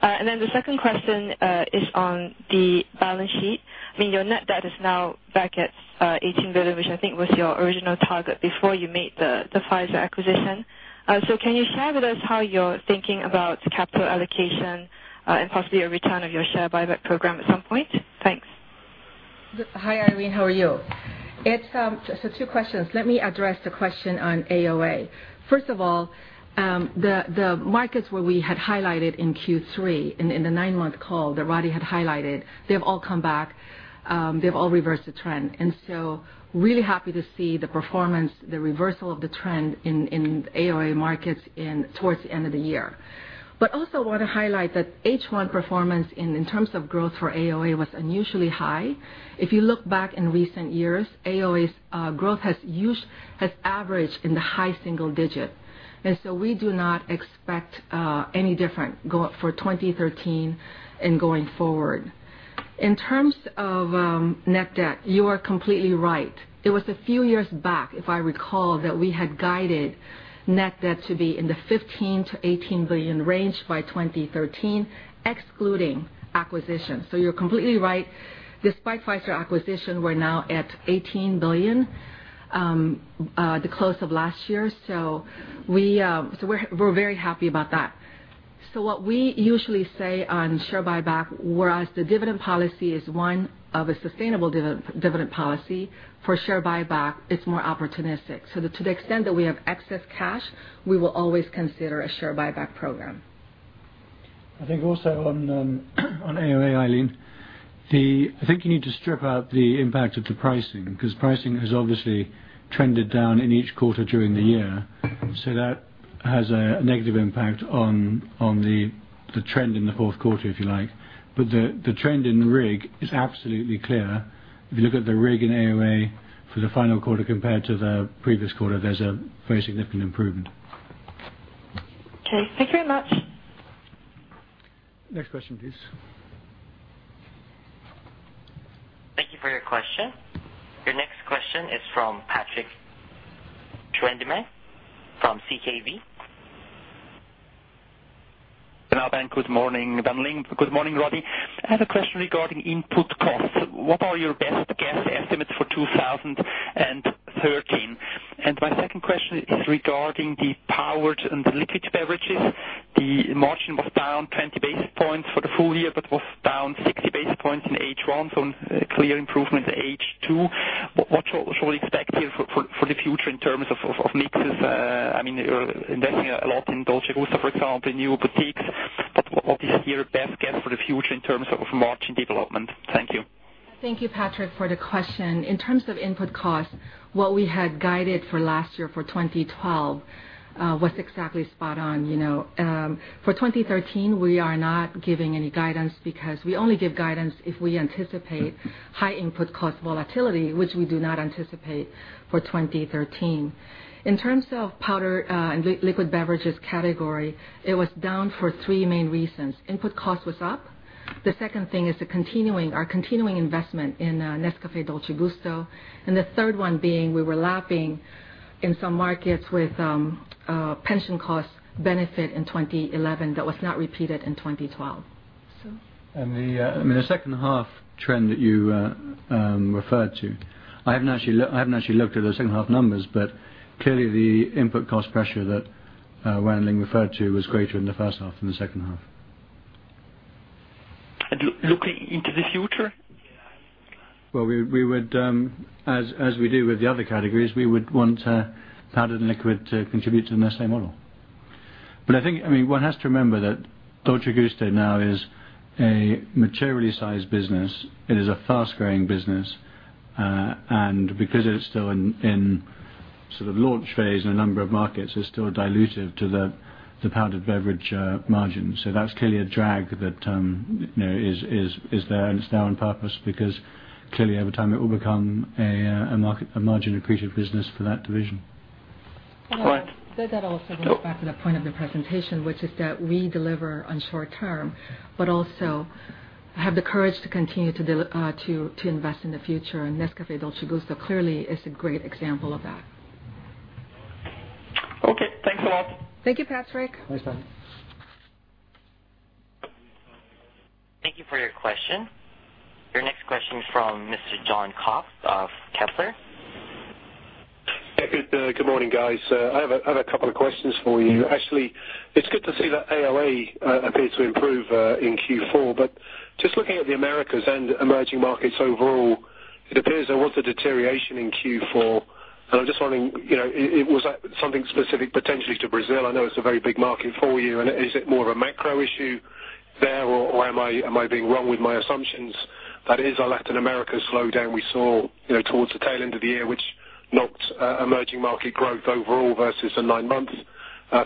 S4: The second question is on the balance sheet. Your net debt is now back at 18 billion, which I think was your original target before you made the Pfizer acquisition. Can you share with us how you're thinking about capital allocation and possibly a return of your share buyback program at some point? Thanks.
S2: Hi, Eileen. How are you? It's two questions. Let me address the question on AOA. First of all, the markets where we had highlighted in Q3 and in the nine-month call that Roddy had highlighted, they've all come back. They've all reversed the trend. Really happy to see the performance, the reversal of the trend in AOA markets towards the end of the year. I want to highlight that H1 performance in terms of growth for AOA was unusually high. If you look back in recent years, AOA's growth has averaged in the high single digit. We do not expect any different for 2013 and going forward. In terms of net debt, you are completely right. It was a few years back, if I recall, that we had guided net debt to be in the 15 billion-18 billion range by 2013, excluding acquisition. You're completely right. Despite Pfizer's acquisition, we're now at 18 billion, the close of last year. We're very happy about that. What we usually say on share buyback, whereas the dividend policy is one of a sustainable dividend policy, for share buyback, it's more opportunistic. To the extent that we have excess cash, we will always consider a share buyback program.
S1: I think also on AOA, Eileen, I think you need to strip out the impact of the pricing, because pricing has obviously trended down in each quarter during the year. That has a negative impact on the trend in the fourth quarter, if you like. The trend in RIG is absolutely clear. If you look at the RIG in AOA for the final quarter compared to the previous quarter, there's a very significant improvement.
S2: Okay. Thank you very much.
S1: Next question, please.
S3: Thank you for your question. Your next question is from Patrick Trueman from CKV.
S5: Good morning. Good morning, Wan Ling. Good morning, Roddy. I have a question regarding input costs. What are your best guess estimates for 2013? My second question is regarding the powered and the liquid beverages. The margin was down 20 basis points for the full year, but was down 60 basis points in H1, clear improvement in H2. What should we expect here for the future in terms of mixes? You're investing a lot in Dolce Gusto, for example, in new boutiques. What is your best guess for the future in terms of margin development? Thank you.
S2: Thank you, Patrick, for the question. In terms of input cost, what we had guided for last year for 2012 was exactly spot on. For 2013, we are not giving any guidance because we only give guidance if we anticipate high input cost volatility, which we do not anticipate for 2013. In terms of powder and liquid beverages category, it was down for three main reasons. Input cost was up. The second thing is our continuing investment in Nescafé Dolce Gusto. The third one being we were lapping in some markets with pension cost benefit in 2011 that was not repeated in 2012.
S1: The second half trend that you referred to, I haven't actually looked at those second half numbers, but clearly the input cost pressure that Wan Ling referred to was greater in the first half than the second half.
S5: Looking into the future?
S1: Well, as we do with the other categories, we would want powdered liquid to contribute to the Nestlé model. I think one has to remember that Dolce Gusto now is a materially sized business. It is a fast-growing business. Because it's still in sort of launch phase in a number of markets, it's still dilutive to the powdered beverage margin. That's clearly a drag that is there, and it's there on purpose because clearly over time it will become a margin accretive business for that division.
S5: All right.
S2: That also goes back to the point of the presentation, which is that we deliver on short term, but also have the courage to continue to invest in the future. Nescafé Dolce Gusto clearly is a great example of that.
S5: Okay. Thanks a lot.
S2: Thank you, Patrick.
S1: Thanks, Patrick.
S3: Thank you for your question. Your next question is from Mr. Jon Cox of Kepler Cheuvreux.
S6: Good morning, guys. I have a couple of questions for you. Actually, it's good to see that AOA appears to improve in Q4, but just looking at the Americas and emerging markets overall, it appears there was a deterioration in Q4, and I'm just wondering, was that something specific potentially to Brazil? I know it's a very big market for you, and is it more of a macro issue there, or am I being wrong with my assumptions? That is a Latin America slowdown we saw towards the tail end of the year, which knocked emerging market growth overall versus the nine-month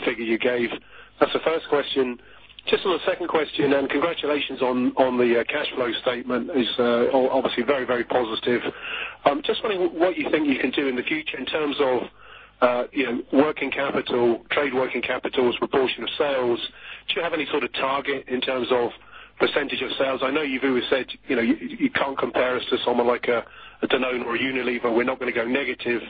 S6: figure you gave. That's the first question. Just on the second question, congratulations on the cash flow statement. It's obviously very positive. Just wondering what you think you can do in the future in terms of working capital, trade working capital as proportion of sales. Do you have any sort of target in terms of percentage of sales? I know you've always said you can't compare us to someone like a Danone or a Unilever. We're not going to go negative.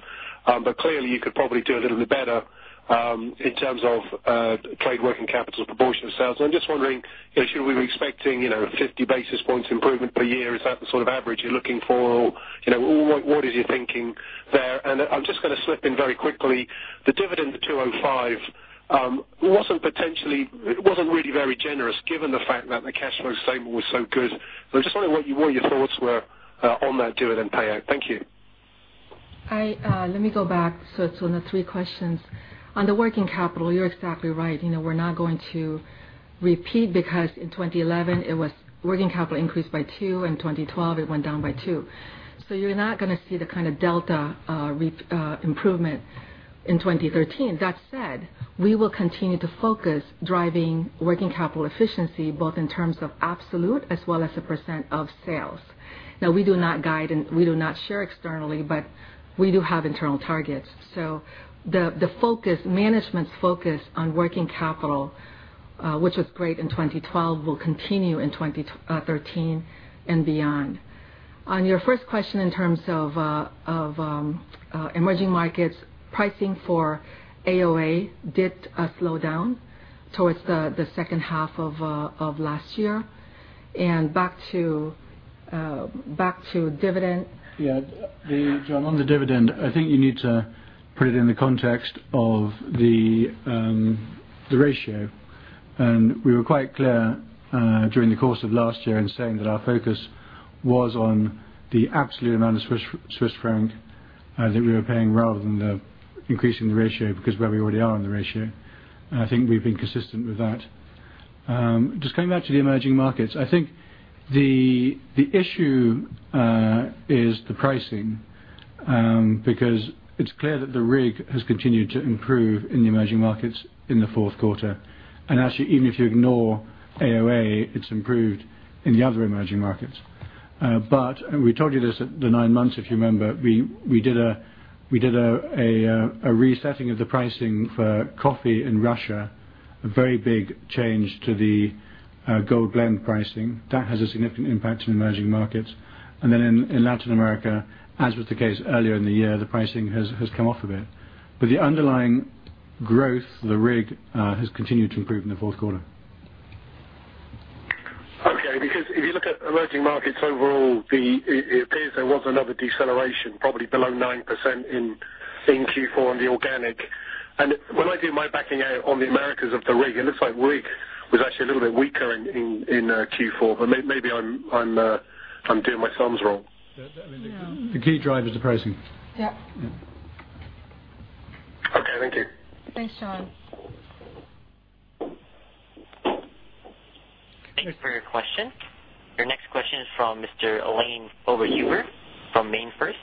S6: Clearly you could probably do a little bit better in terms of trade working capital proportion of sales. I'm just wondering, should we be expecting 50 basis points improvement per year? Is that the sort of average you're looking for? What is your thinking there? I'm just going to slip in very quickly. The dividend for 205 wasn't really very generous given the fact that the cash flow statement was so good. I'm just wondering what your thoughts were on that dividend payout. Thank you.
S2: Let me go back to one of three questions. On the working capital, you are exactly right. We are not going to repeat because in 2011, working capital increased by two, in 2012 it went down by two. You are not going to see the kind of delta improvement in 2013. That said, we will continue to focus driving working capital efficiency, both in terms of absolute as well as a % of sales. Now, we do not guide and we do not share externally, but we do have internal targets. The management's focus on working capital, which was great in 2012, will continue in 2013 and beyond. On your first question in terms of emerging markets, pricing for AOA did slow down towards the second half of last year. Back to dividend.
S1: Yeah. Jon, on the dividend, I think you need to put it in the context of the ratio. We were quite clear during the course of last year in saying that our focus was on the absolute amount of CHF, that we were paying rather than increasing the ratio because where we already are in the ratio, and I think we have been consistent with that. Just coming back to the emerging markets, I think the issue is the pricing, because it is clear that the RIG has continued to improve in the emerging markets in the fourth quarter. Actually, even if you ignore AOA, it has improved in the other emerging markets. We told you this at the nine months if you remember, we did a resetting of the pricing for coffee in Russia, a very big change to the Gold Blend pricing. That has a significant impact on emerging markets. In Latin America, as was the case earlier in the year, the pricing has come off a bit. The underlying growth, the RIG, has continued to improve in the fourth quarter.
S6: Okay, because if you look at emerging markets overall, it appears there was another deceleration, probably below 9% in Q4 on the organic. When I do my backing out on the Americas of the RIG, it looks like RIG was actually a little bit weaker in Q4. Maybe I am doing my sums wrong.
S1: The key driver is the pricing.
S2: Yeah.
S6: Okay. Thank you.
S2: Thanks, Jon.
S3: Thank you for your question. Your next question is from Mr. Alain Oberhuber from MainFirst.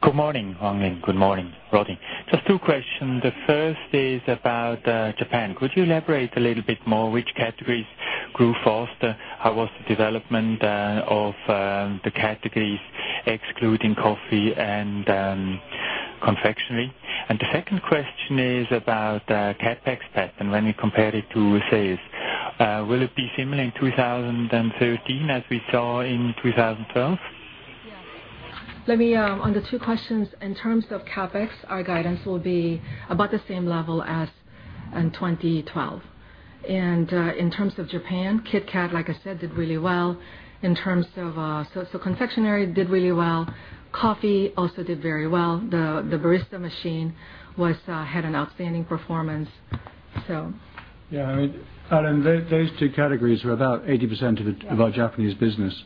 S7: Good morning, Wan Ling. Good morning, Roddy. Just two questions. The first is about Japan. Could you elaborate a little bit more which categories grew faster? How was the development of the categories excluding coffee and confectionery? The second question is about CapEx pattern when we compare it to sales. Will it be similar in 2013 as we saw in 2012?
S2: Yes. On the two questions, in terms of CapEx, our guidance will be about the same level as in 2012. In terms of Japan, KitKat, like I said, did really well. Confectionery did really well. Coffee also did very well. The barista machine had an outstanding performance.
S1: Yeah. Alain, those two categories are about 80% of our Japanese business.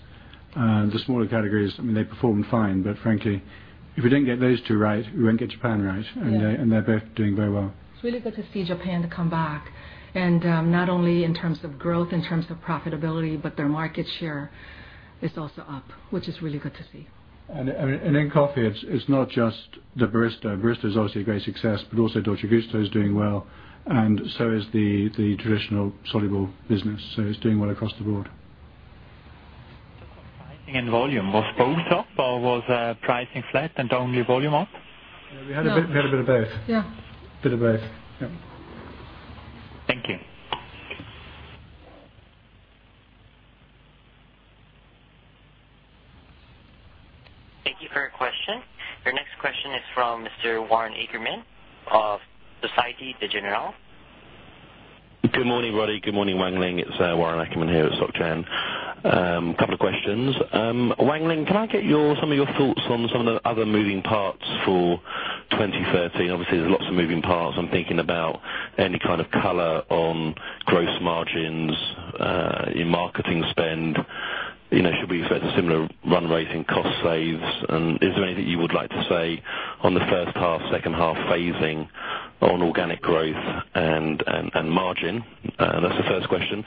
S1: The smaller categories, they performed fine, but frankly, if we didn't get those two right, we won't get Japan right.
S2: Yeah.
S1: They're both doing very well.
S2: It's really good to see Japan come back, and not only in terms of growth, in terms of profitability, but their market share is also up, which is really good to see.
S1: In coffee, it's not just the Barista. Barista is obviously a great success, but also Dolce Gusto is doing well, and so is the traditional soluble business. It's doing well across the board.
S7: Pricing and volume. Was both up or was pricing flat and only volume up?
S1: We had a bit of both.
S2: Yeah.
S1: Bit of both. Yeah.
S7: Thank you.
S3: Thank you for your question. Your next question is from Mr. Warren Ackerman of Societe Generale.
S8: Good morning, Roddy. Good morning, Wan Ling. It's Warren Ackerman here at Soc Gen. I have a couple of questions. Wan Ling, can I get some of your thoughts on some of the other moving parts for 2013? Obviously, there's lots of moving parts. I'm thinking about any kind of color on gross margins, your marketing spend. Should we expect similar run rate in cost saves? Is there anything you would like to say on the first half, second half phasing on organic growth and margin? That's the first question.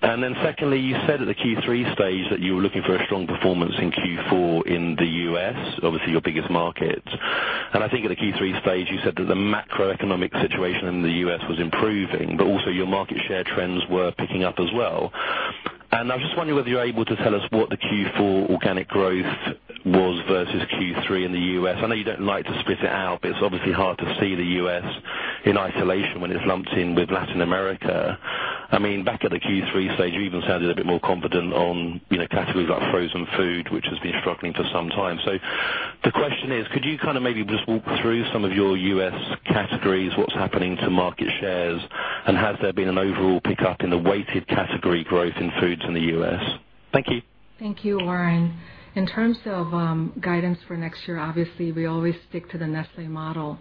S8: Then secondly, you said at the Q3 stage that you were looking for a strong performance in Q4 in the U.S., obviously your biggest market. I think at the Q3 stage you said that the macroeconomic situation in the U.S. was improving, also your market share trends were picking up as well. I was just wondering whether you're able to tell us what the Q4 organic growth was versus Q3 in the U.S. I know you don't like to split it out, but it's obviously hard to see the U.S. in isolation when it's lumped in with Latin America. Back at the Q3 stage, you even sounded a bit more confident on categories like frozen food, which has been struggling for some time. The question is, could you kind of maybe just walk through some of your U.S. categories, what's happening to market shares, and has there been an overall pickup in the weighted category growth in foods in the U.S.? Thank you.
S2: Thank you, Warren. In terms of guidance for next year, obviously, we always stick to the Nestlé model.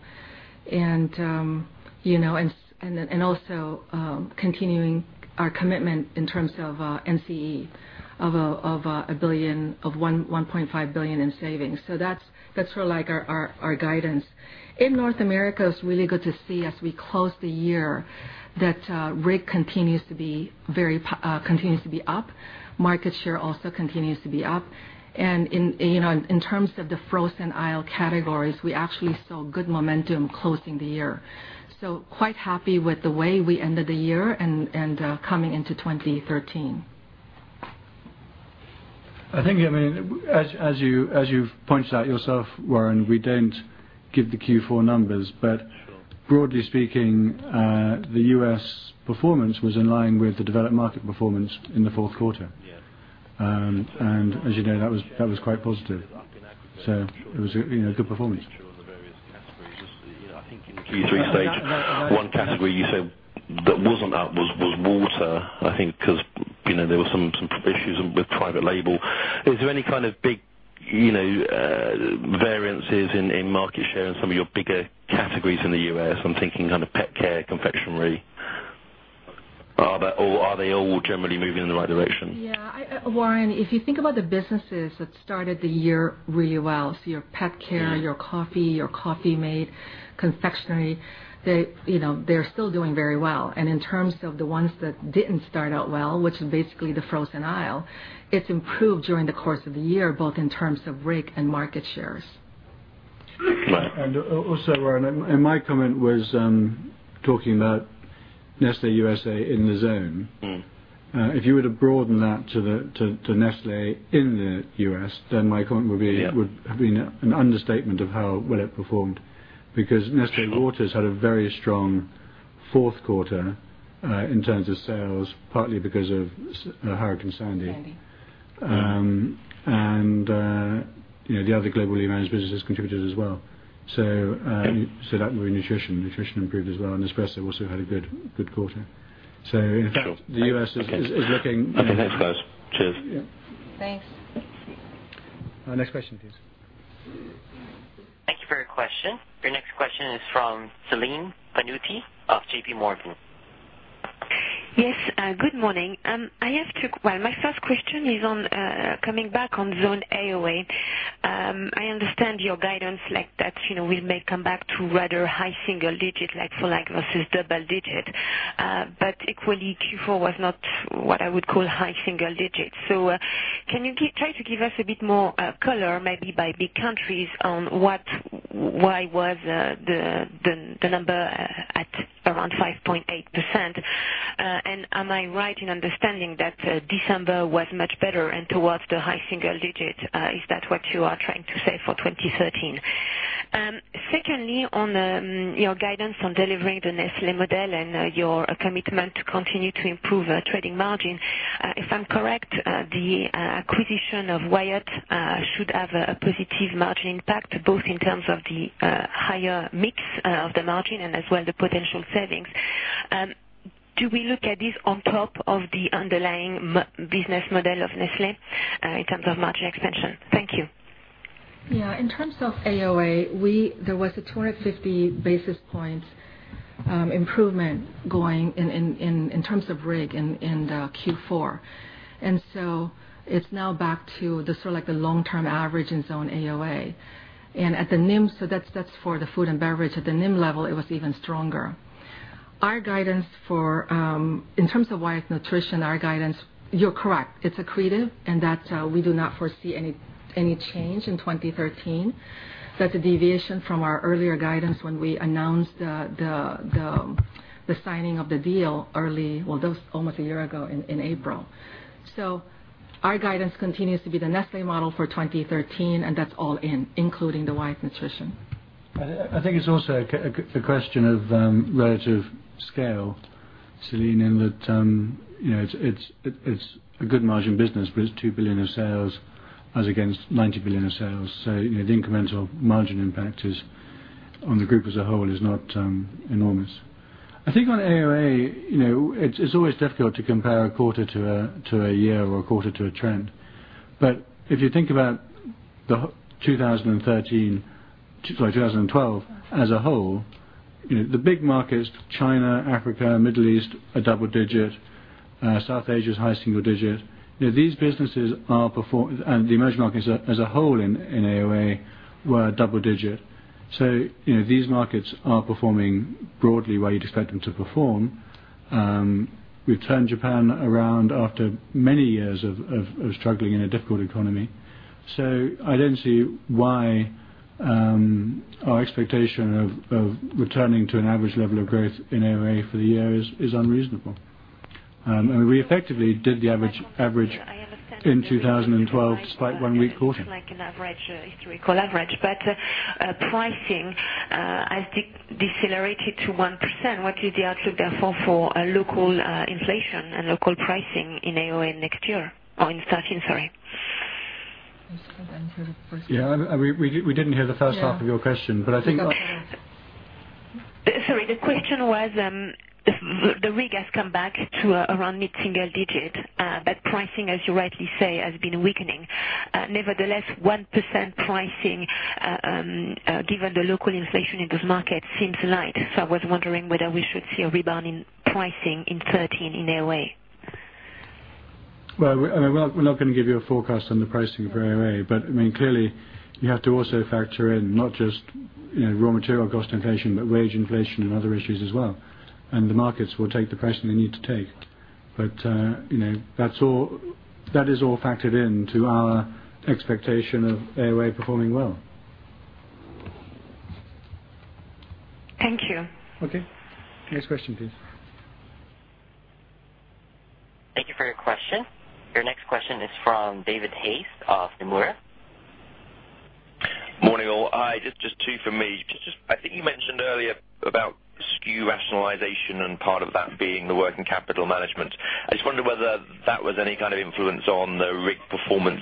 S2: Also continuing our commitment in terms of NCE of 1.5 billion in savings. That's our guidance. In North America, it's really good to see as we close the year that RIG continues to be up. Market share also continues to be up. In terms of the frozen aisle categories, we actually saw good momentum closing the year. Quite happy with the way we ended the year and coming into 2013.
S1: I think, as you've pointed out yourself, Warren, we don't give the Q4 numbers.
S8: Sure.
S1: Broadly speaking, the U.S. performance was in line with the developed market performance in the fourth quarter.
S8: Yes.
S1: As you know, that was quite positive. It was a good performance.
S8: Sure, on the various categories. I think in Q3 stage 1 category you said that wasn't up was water, I think because there were some issues with private label. Is there any kind of big variances in market share in some of your bigger categories in the U.S.? I'm thinking kind of pet care, confectionery. Are they all generally moving in the right direction?
S2: Yeah. Warren, if you think about the businesses that started the year really well, your pet care, your coffee, your Coffee-mate, confectionery, they're still doing very well. In terms of the ones that didn't start out well, which is basically the frozen aisle, it's improved during the course of the year, both in terms of RIG and market shares.
S8: Right.
S1: Also, Warren, and my comment was talking about Nestlé USA in the zone. If you were to broaden that to Nestlé in the U.S., then my comment would have been an understatement of how well it performed, because Nestlé Waters had a very strong fourth quarter in terms of sales, partly because of Hurricane Sandy.
S2: Sandy.
S1: The other Globally Managed Businesses contributed as well. That and nutrition. Nutrition improved as well, Nespresso also had a good quarter.
S8: Sure.
S1: So the US is looking-
S8: Okay, thanks guys. Cheers.
S2: Thanks.
S1: Next question, please.
S3: Thank you for your question. Your next question is from Celine Pannuti of JPMorgan.
S9: Yes, good morning. My first question is on coming back on Zone AOA. I understand your guidance like that we may come back to rather high single digit like for like versus double digit. Equally, Q4 was not what I would call high single digits. Can you try to give us a bit more color, maybe by big countries, on why was the number at around 5.8%? Am I right in understanding that December was much better and towards the high single digit? Is that what you are trying to say for 2013? Secondly, on your guidance on delivering the Nestlé model and your commitment to continue to improve trading margin. If I'm correct, the acquisition of Wyeth should have a positive margin impact, both in terms of the higher mix of the margin and as well the potential savings. Do we look at this on top of the underlying business model of Nestlé in terms of margin expansion? Thank you.
S2: Yeah. In terms of AOA, there was a 250 basis points improvement going in terms of RIG in Q4. It's now back to the long-term average in Zone AOA. That's for the food and beverage. At the NIM level, it was even stronger. In terms of Wyeth Nutrition, our guidance, you're correct. It's accretive, and that we do not foresee any change in 2013. That's a deviation from our earlier guidance when we announced the signing of the deal early, well, that was almost a year ago in April. Our guidance continues to be the Nestlé model for 2013, and that's all in, including the Wyeth Nutrition.
S1: I think it's also a question of relative scale, Celine, in that it's a good margin business, but it's 2 billion of sales as against 90 billion of sales. The incremental margin impact on the group as a whole is not enormous. I think on AOA, it's always difficult to compare a quarter to a year or a quarter to a trend. If you think about 2012 as a whole, the big markets, China, Africa, Middle East, are double digit. South Asia is high single digit. These businesses are performing, and the emerging markets as a whole in AOA were double digit. These markets are performing broadly where you'd expect them to perform. We've turned Japan around after many years of struggling in a difficult economy. I don't see why our expectation of returning to an average level of growth in AOA for the year is unreasonable. We effectively did the average in 2012 despite one weak quarter.
S9: I understand it seems like an historical average. Pricing has decelerated to 1%. What is the outlook therefore for local inflation and local pricing in AOA next year or in 2013? Sorry.
S2: I'm sorry, I didn't hear the first thing.
S1: We didn't hear the first half of your question.
S2: Sorry, the question was, the RIG has come back to around mid-single digit. Pricing, as you rightly say, has been weakening.
S9: Nevertheless, 1% pricing, given the local inflation in those markets seems light. I was wondering whether we should see a rebound in pricing in 2013 in AOA.
S1: Well, we're not going to give you a forecast on the pricing of AOA. Clearly, you have to also factor in not just raw material cost inflation, but wage inflation and other issues as well. The markets will take the price they need to take. That is all factored into our expectation of AOA performing well.
S9: Thank you.
S1: Okay. Next question, please.
S3: Thank you for your question. Your next question is from David Hayes of Nomura.
S10: Morning, all. Just two from me. I think you mentioned earlier about SKU rationalization and part of that being the working capital management. I just wonder whether that was any kind of influence on the RIG performance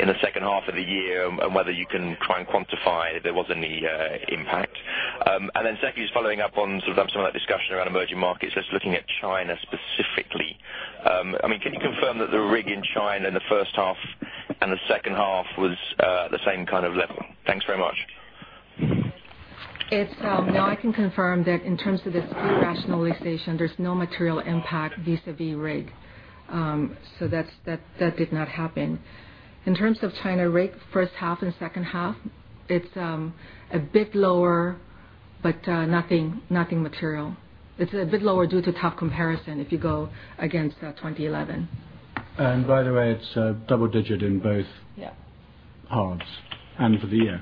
S10: in the second half of the year, and whether you can try and quantify if there was any impact. Second is following up on some of that discussion around emerging markets, just looking at China specifically. Can you confirm that the RIG in China in the first half and the second half was the same kind of level? Thanks very much.
S2: No, I can confirm that in terms of the SKU rationalization, there's no material impact vis-a-vis RIG. That did not happen. In terms of China RIG first half and second half, it's a bit lower, but nothing material. It's a bit lower due to tough comparison if you go against 2011.
S1: By the way, it's double digit in both-
S2: Yeah
S1: halves and for the year.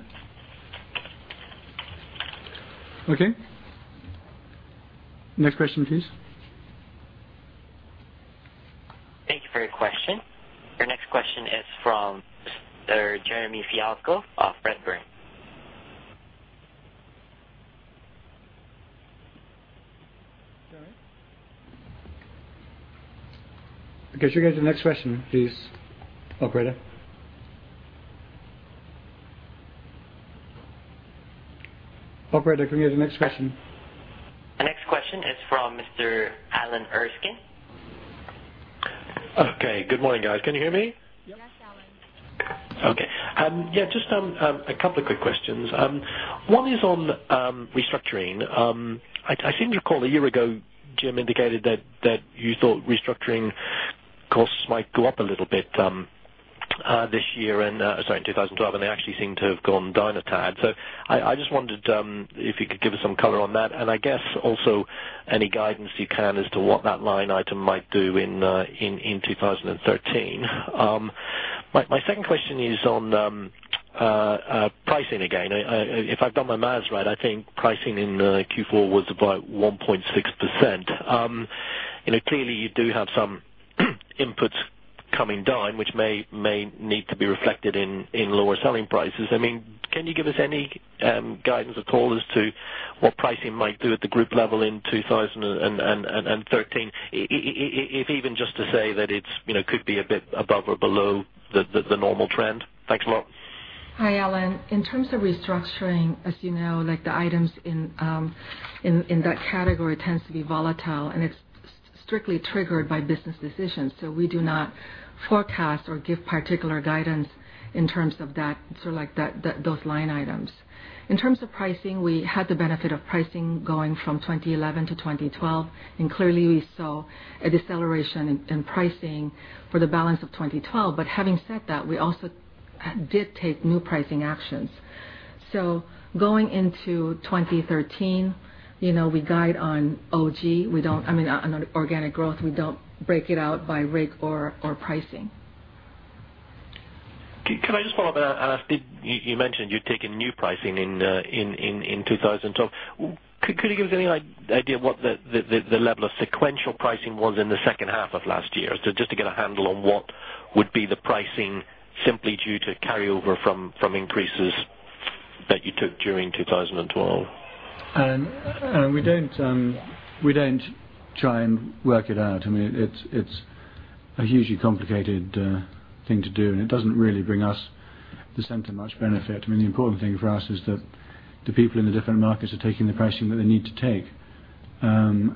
S1: Okay. Next question, please.
S3: Thank you for your question. Your next question is from Jeremy Fialko of Redburn.
S1: Jeremy? Can I get the next question, please, operator? Operator, can we have the next question?
S3: The next question is from Mr. Alan Erskine.
S11: Okay, good morning, guys. Can you hear me?
S2: Yes, Alan.
S11: Okay. Yeah, just a couple of quick questions. One is on restructuring. I seem to recall a year ago, Jim indicated that you thought restructuring costs might go up a little bit this year, sorry, in 2012, and they actually seem to have gone down a tad. I just wondered if you could give us some color on that, and I guess also any guidance you can as to what that line item might do in 2013. My second question is on pricing again. If I've done my math right, I think pricing in Q4 was about 1.6%. Clearly, you do have some inputs coming down, which may need to be reflected in lower selling prices. Can you give us any guidance at all as to what pricing might do at the group level in 2013, if even just to say that it could be a bit above or below the normal trend? Thanks a lot.
S2: Hi, Alan. In terms of restructuring, as you know, the items in that category tends to be volatile, and it's strictly triggered by business decisions. We do not forecast or give particular guidance in terms of those line items. In terms of pricing, we had the benefit of pricing going from 2011 to 2012, and clearly, we saw a deceleration in pricing for the balance of 2012. Having said that, we also did take new pricing actions. Going into 2013, we guide on OG. On organic growth, we don't break it out by RIG or pricing.
S11: Can I just follow up and ask, you mentioned you'd taken new pricing in 2012. Could you give us any idea what the level of sequential pricing was in the second half of last year? Just to get a handle on what would be the pricing simply due to carryover from increases that you took during 2012.
S1: We don't try and work it out. It's a hugely complicated thing to do, it doesn't really bring us, the center, much benefit. The important thing for us is that the people in the different markets are taking the pricing that they need to take. I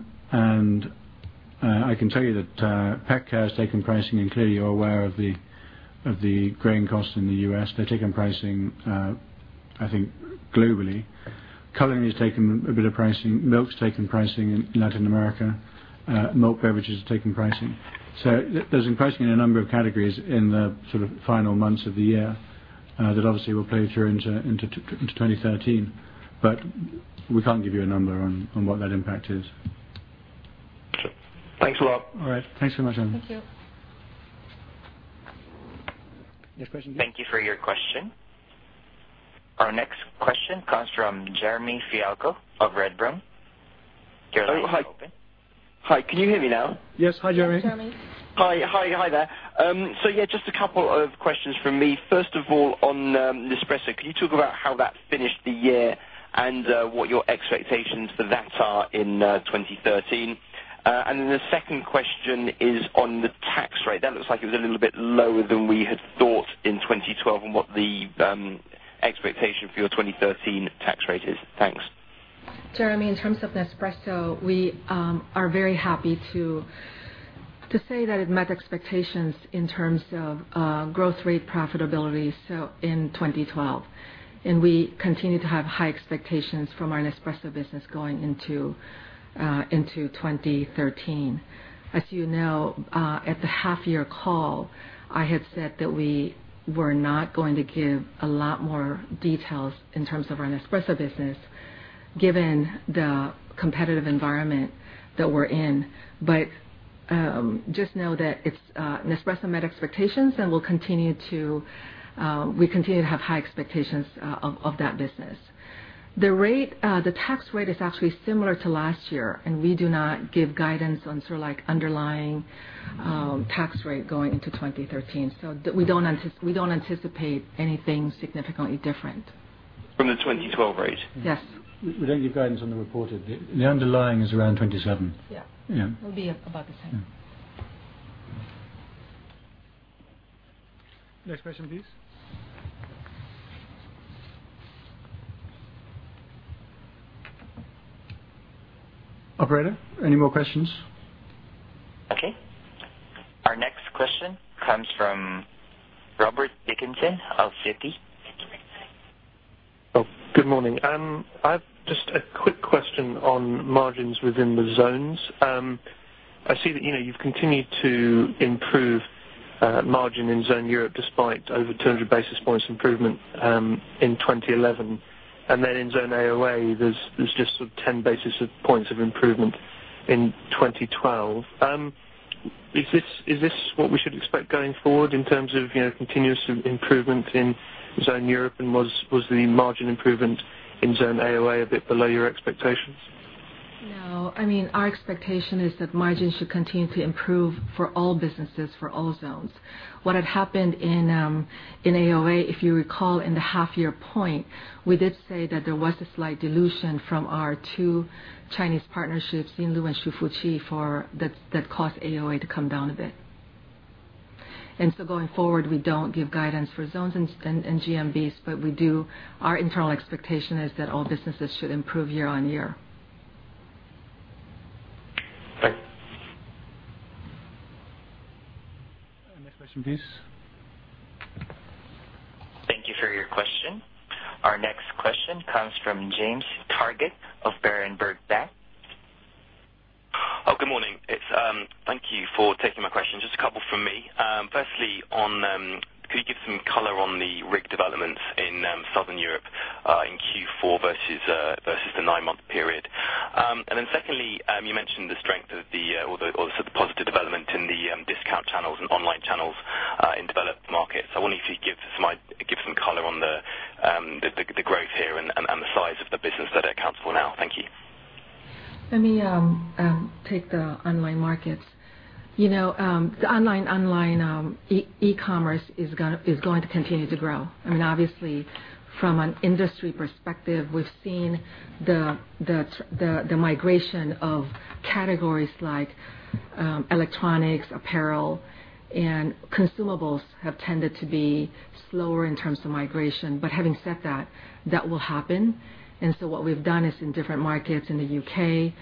S1: can tell you that PetCare has taken pricing, and clearly, you're aware of the grain costs in the U.S. They've taken pricing, I think, globally. Culinary has taken a bit of pricing. Milk's taken pricing in Latin America. Milk beverages have taken pricing. There's been pricing in a number of categories in the final months of the year that obviously will play through into 2013. We can't give you a number on what that impact is.
S11: Thanks a lot.
S1: All right. Thanks so much, Alan.
S2: Thank you.
S1: Next question, please.
S3: Thank you for your question. Our next question comes from Jeremy Fialko of Redburn. Your line is open.
S12: Hi. Can you hear me now?
S1: Yes. Hi, Jeremy.
S2: Yes, Jeremy.
S12: Hi there. Yeah, just a couple of questions from me. First of all, on Nespresso, can you talk about how that finished the year and what your expectations for that are in 2013? The second question is on the tax rate. That looks like it was a little bit lower than we had thought in 2012, and what the expectation for your 2013 tax rate is. Thanks.
S2: Jeremy, in terms of Nespresso, we are very happy to say that it met expectations in terms of growth rate profitability in 2012. We continue to have high expectations from our Nespresso business going into 2013. As you know, at the half year call, I had said that we were not going to give a lot more details in terms of our Nespresso business, given the competitive environment that we're in. Just know that Nespresso met expectations, and we continue to have high expectations of that business. The tax rate is actually similar to last year, and we do not give guidance on underlying tax rate going into 2013. We don't anticipate anything significantly different.
S12: From the 2012 rate?
S2: Yes.
S1: We don't give guidance on the reported. The underlying is around 27.
S2: Yeah.
S1: Yeah.
S2: It'll be about the same.
S1: Next question, please. Operator, any more questions?
S3: Okay. Our next question comes from Robert Dickinson of Citi.
S13: Oh, good morning. I've just a quick question on margins within the zones. I see that you've continued to improve margin in Zone Europe despite over 200 basis points improvement in 2011. In Zone AOA, there's just 10 basis points of improvement in 2012. Is this what we should expect going forward in terms of continuous improvement in Zone Europe, was the margin improvement in Zone AOA a bit below your expectations?
S2: No. Our expectation is that margins should continue to improve for all businesses, for all zones. What had happened in AOA, if you recall in the half year point, we did say that there was a slight dilution from our two Chinese partnerships, Yinlu and Hsu Fu Chi, that caused AOA to come down a bit. Going forward, we don't give guidance for zones and GMBs. Our internal expectation is that all businesses should improve year-on-year.
S13: Thanks.
S1: Next question, please.
S3: Thank you for your question. Our next question comes from James Targett of Berenberg Bank.
S14: Good morning. Thank you for taking my question. Just a couple from me. Firstly, could you give some color on the RIG developments in Southern Europe, in Q4 versus the nine-month period? Secondly, you mentioned the strength of the positive development in the discount channels and online channels in developed markets. I wonder if you could give some color on the growth here and the size of the business that it accounts for now. Thank you.
S2: Let me take the online markets. The online e-commerce is going to continue to grow. Obviously, from an industry perspective, we've seen the migration of categories like electronics, apparel, and consumables have tended to be slower in terms of migration. Having said that will happen. What we've done is in different markets in the U.K.,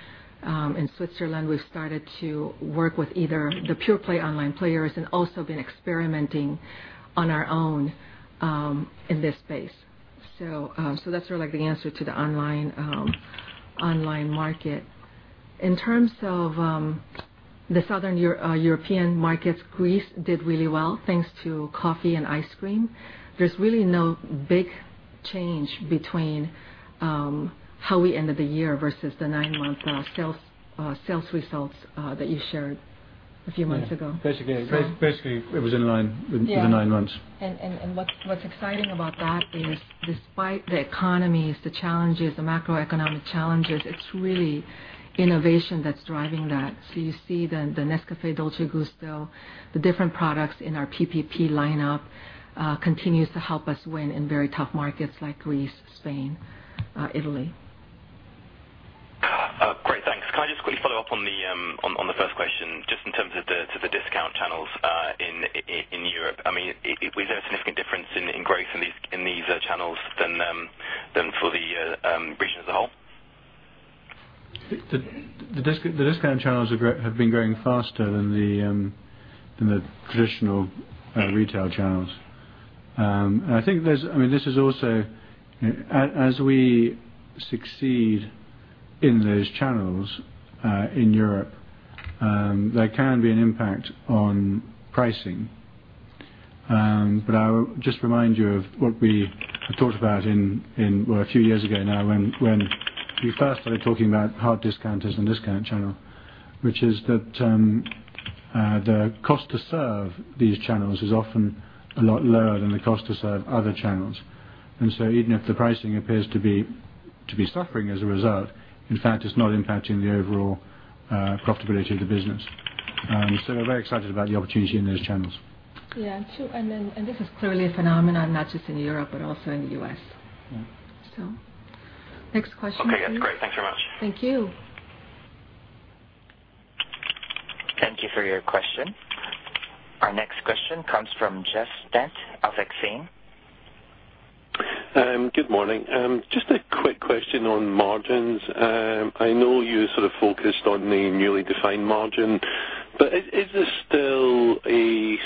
S2: in Switzerland, we've started to work with either the pure play online players and also been experimenting on our own in this space. That's the answer to the online market. In terms of the Southern European markets, Greece did really well thanks to coffee and ice cream. There's really no big change between how we ended the year versus the nine-month sales results that you shared a few months ago.
S1: Basically, it was in line with the nine months.
S2: What's exciting about that is despite the economies, the challenges, the macroeconomic challenges, it's really innovation that's driving that. You see the Nescafé Dolce Gusto, the different products in our PPP lineup continues to help us win in very tough markets like Greece, Spain, Italy.
S14: Great. Thanks. Can I just quickly follow up on the first question, just in terms of the discount channels in Europe. Was there a significant difference in growth in these channels than for the region as a whole?
S1: The discount channels have been growing faster than the traditional retail channels. As we succeed in those channels in Europe, there can be an impact on pricing. I would just remind you of what we talked about a few years ago now, when we first started talking about hard discounters and discount channel, which is that the cost to serve these channels is often a lot lower than the cost to serve other channels. Even if the pricing appears to be suffering as a result, in fact, it's not impacting the overall profitability of the business. We're very excited about the opportunity in those channels.
S2: This is clearly a phenomenon not just in Europe, but also in the U.S. Next question please.
S14: Okay. That's great. Thanks very much.
S2: Thank you.
S3: Thank you for your question. Our next question comes from Jeff Stent of Exane.
S15: Good morning. A quick question on margins. I know you sort of focused on the newly defined margin, is this still a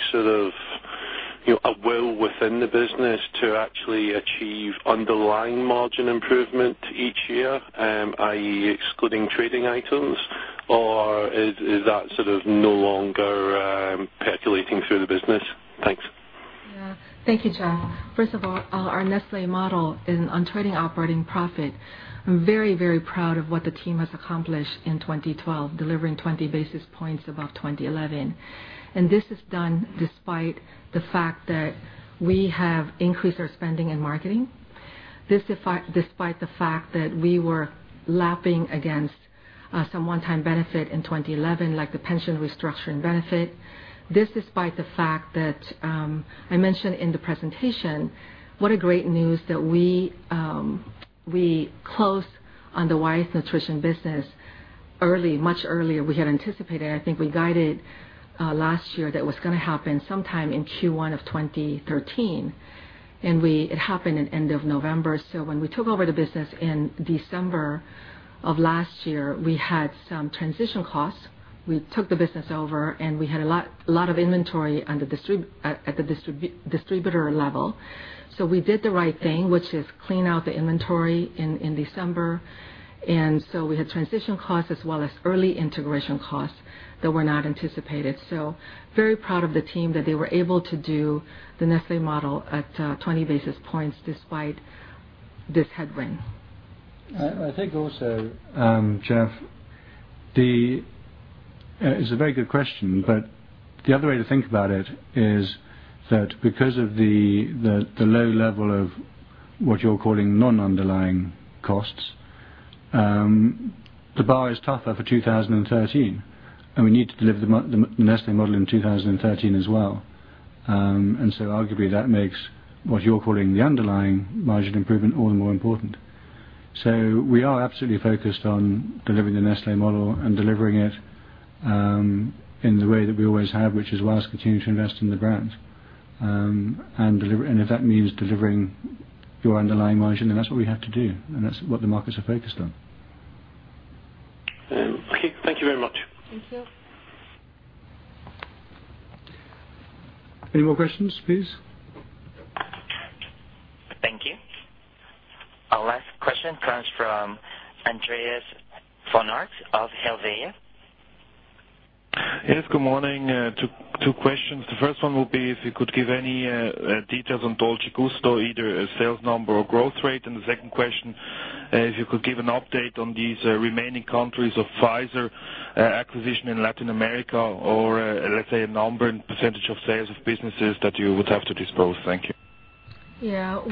S15: will within the business to actually achieve underlying margin improvement each year, i.e., excluding trading items? Or is that no longer percolating through the business? Thanks.
S2: Thank you, Jeff. First of all, our Nestlé model on trading operating profit, I'm very proud of what the team has accomplished in 2012, delivering 20 basis points above 2011. This is done despite the fact that we have increased our spending in marketing. Despite the fact that we were lapping against some one-time benefit in 2011, like the pension restructuring benefit. This despite the fact that I mentioned in the presentation what a great news that we closed on the Wyeth Nutrition business early, much earlier we had anticipated. I think we guided last year that was going to happen sometime in Q1 of 2013. It happened in end of November. When we took over the business in December of last year, we had some transition costs. We took the business over, and we had a lot of inventory at the distributor level. We did the right thing, which is clean out the inventory in December. We had transition costs as well as early integration costs that were not anticipated. Very proud of the team that they were able to do the Nestlé model at 20 basis points despite this headwind.
S1: I think also, Jeff, it's a very good question. The other way to think about it is that because of the low level of what you're calling non-underlying costs, the bar is tougher for 2013, and we need to deliver the Nestlé model in 2013 as well. Arguably, that makes what you're calling the underlying margin improvement all the more important. We are absolutely focused on delivering the Nestlé model and delivering it in the way that we always have, which is whilst continuing to invest in the brand. If that means delivering your underlying margin, then that's what we have to do, and that's what the markets are focused on.
S15: Thank you very much.
S2: Thank you.
S1: Any more questions, please?
S3: Thank you. Our last question comes from Andreas von Arx of Helvea.
S16: Yes, good morning. Two questions. The first one will be if you could give any details on Dolce Gusto, either a sales number or growth rate. The second question, if you could give an update on these remaining countries of Pfizer acquisition in Latin America or let's say, a number and percentage of sales of businesses that you would have to dispose. Thank you.
S2: Yeah.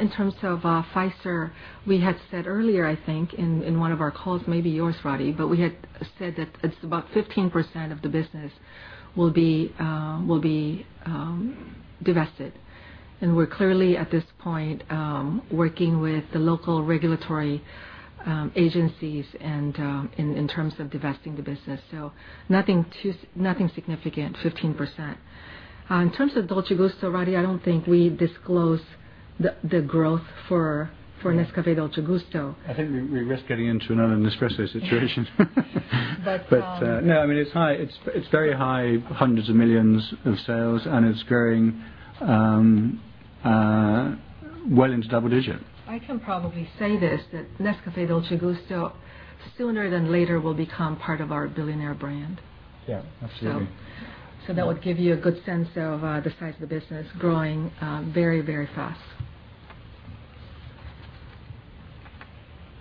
S2: In terms of Pfizer, we had said earlier, I think, in one of our calls, maybe yours, Roddy, we had said that it's about 15% of the business will be divested. We're clearly at this point working with the local regulatory agencies and in terms of divesting the business. Nothing significant, 15%. In terms of Dolce Gusto, Roddy, I don't think we disclose the growth for Nescafé Dolce Gusto.
S1: I think we risk getting into another Nespresso situation.
S2: But-
S1: No, it's very high, hundreds of millions of sales, and it's growing well into double digit.
S2: I can probably say this, that Nescafé Dolce Gusto, sooner than later, will become part of our Billionaire Brand.
S1: Yeah, absolutely.
S2: That would give you a good sense of the size of the business growing very fast.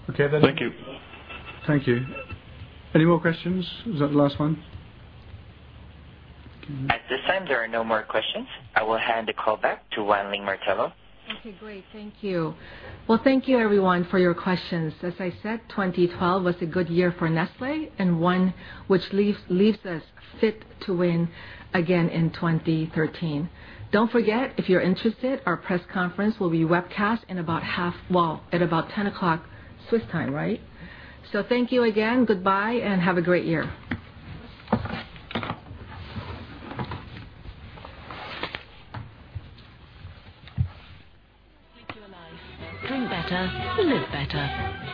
S16: Okay, then.
S1: Thank you. Any more questions? Is that the last one?
S3: At this time, there are no more questions. I will hand the call back to Wan Ling Martello.
S2: Okay, great. Thank you. Well, thank you everyone for your questions. As I said, 2012 was a good year for Nestlé, and one which leaves us fit to win again in 2013. Don't forget, if you're interested, our press conference will be webcast at about 10:00 Swiss time. Thank you again, goodbye, and have a great year.
S9: Drink better, live better.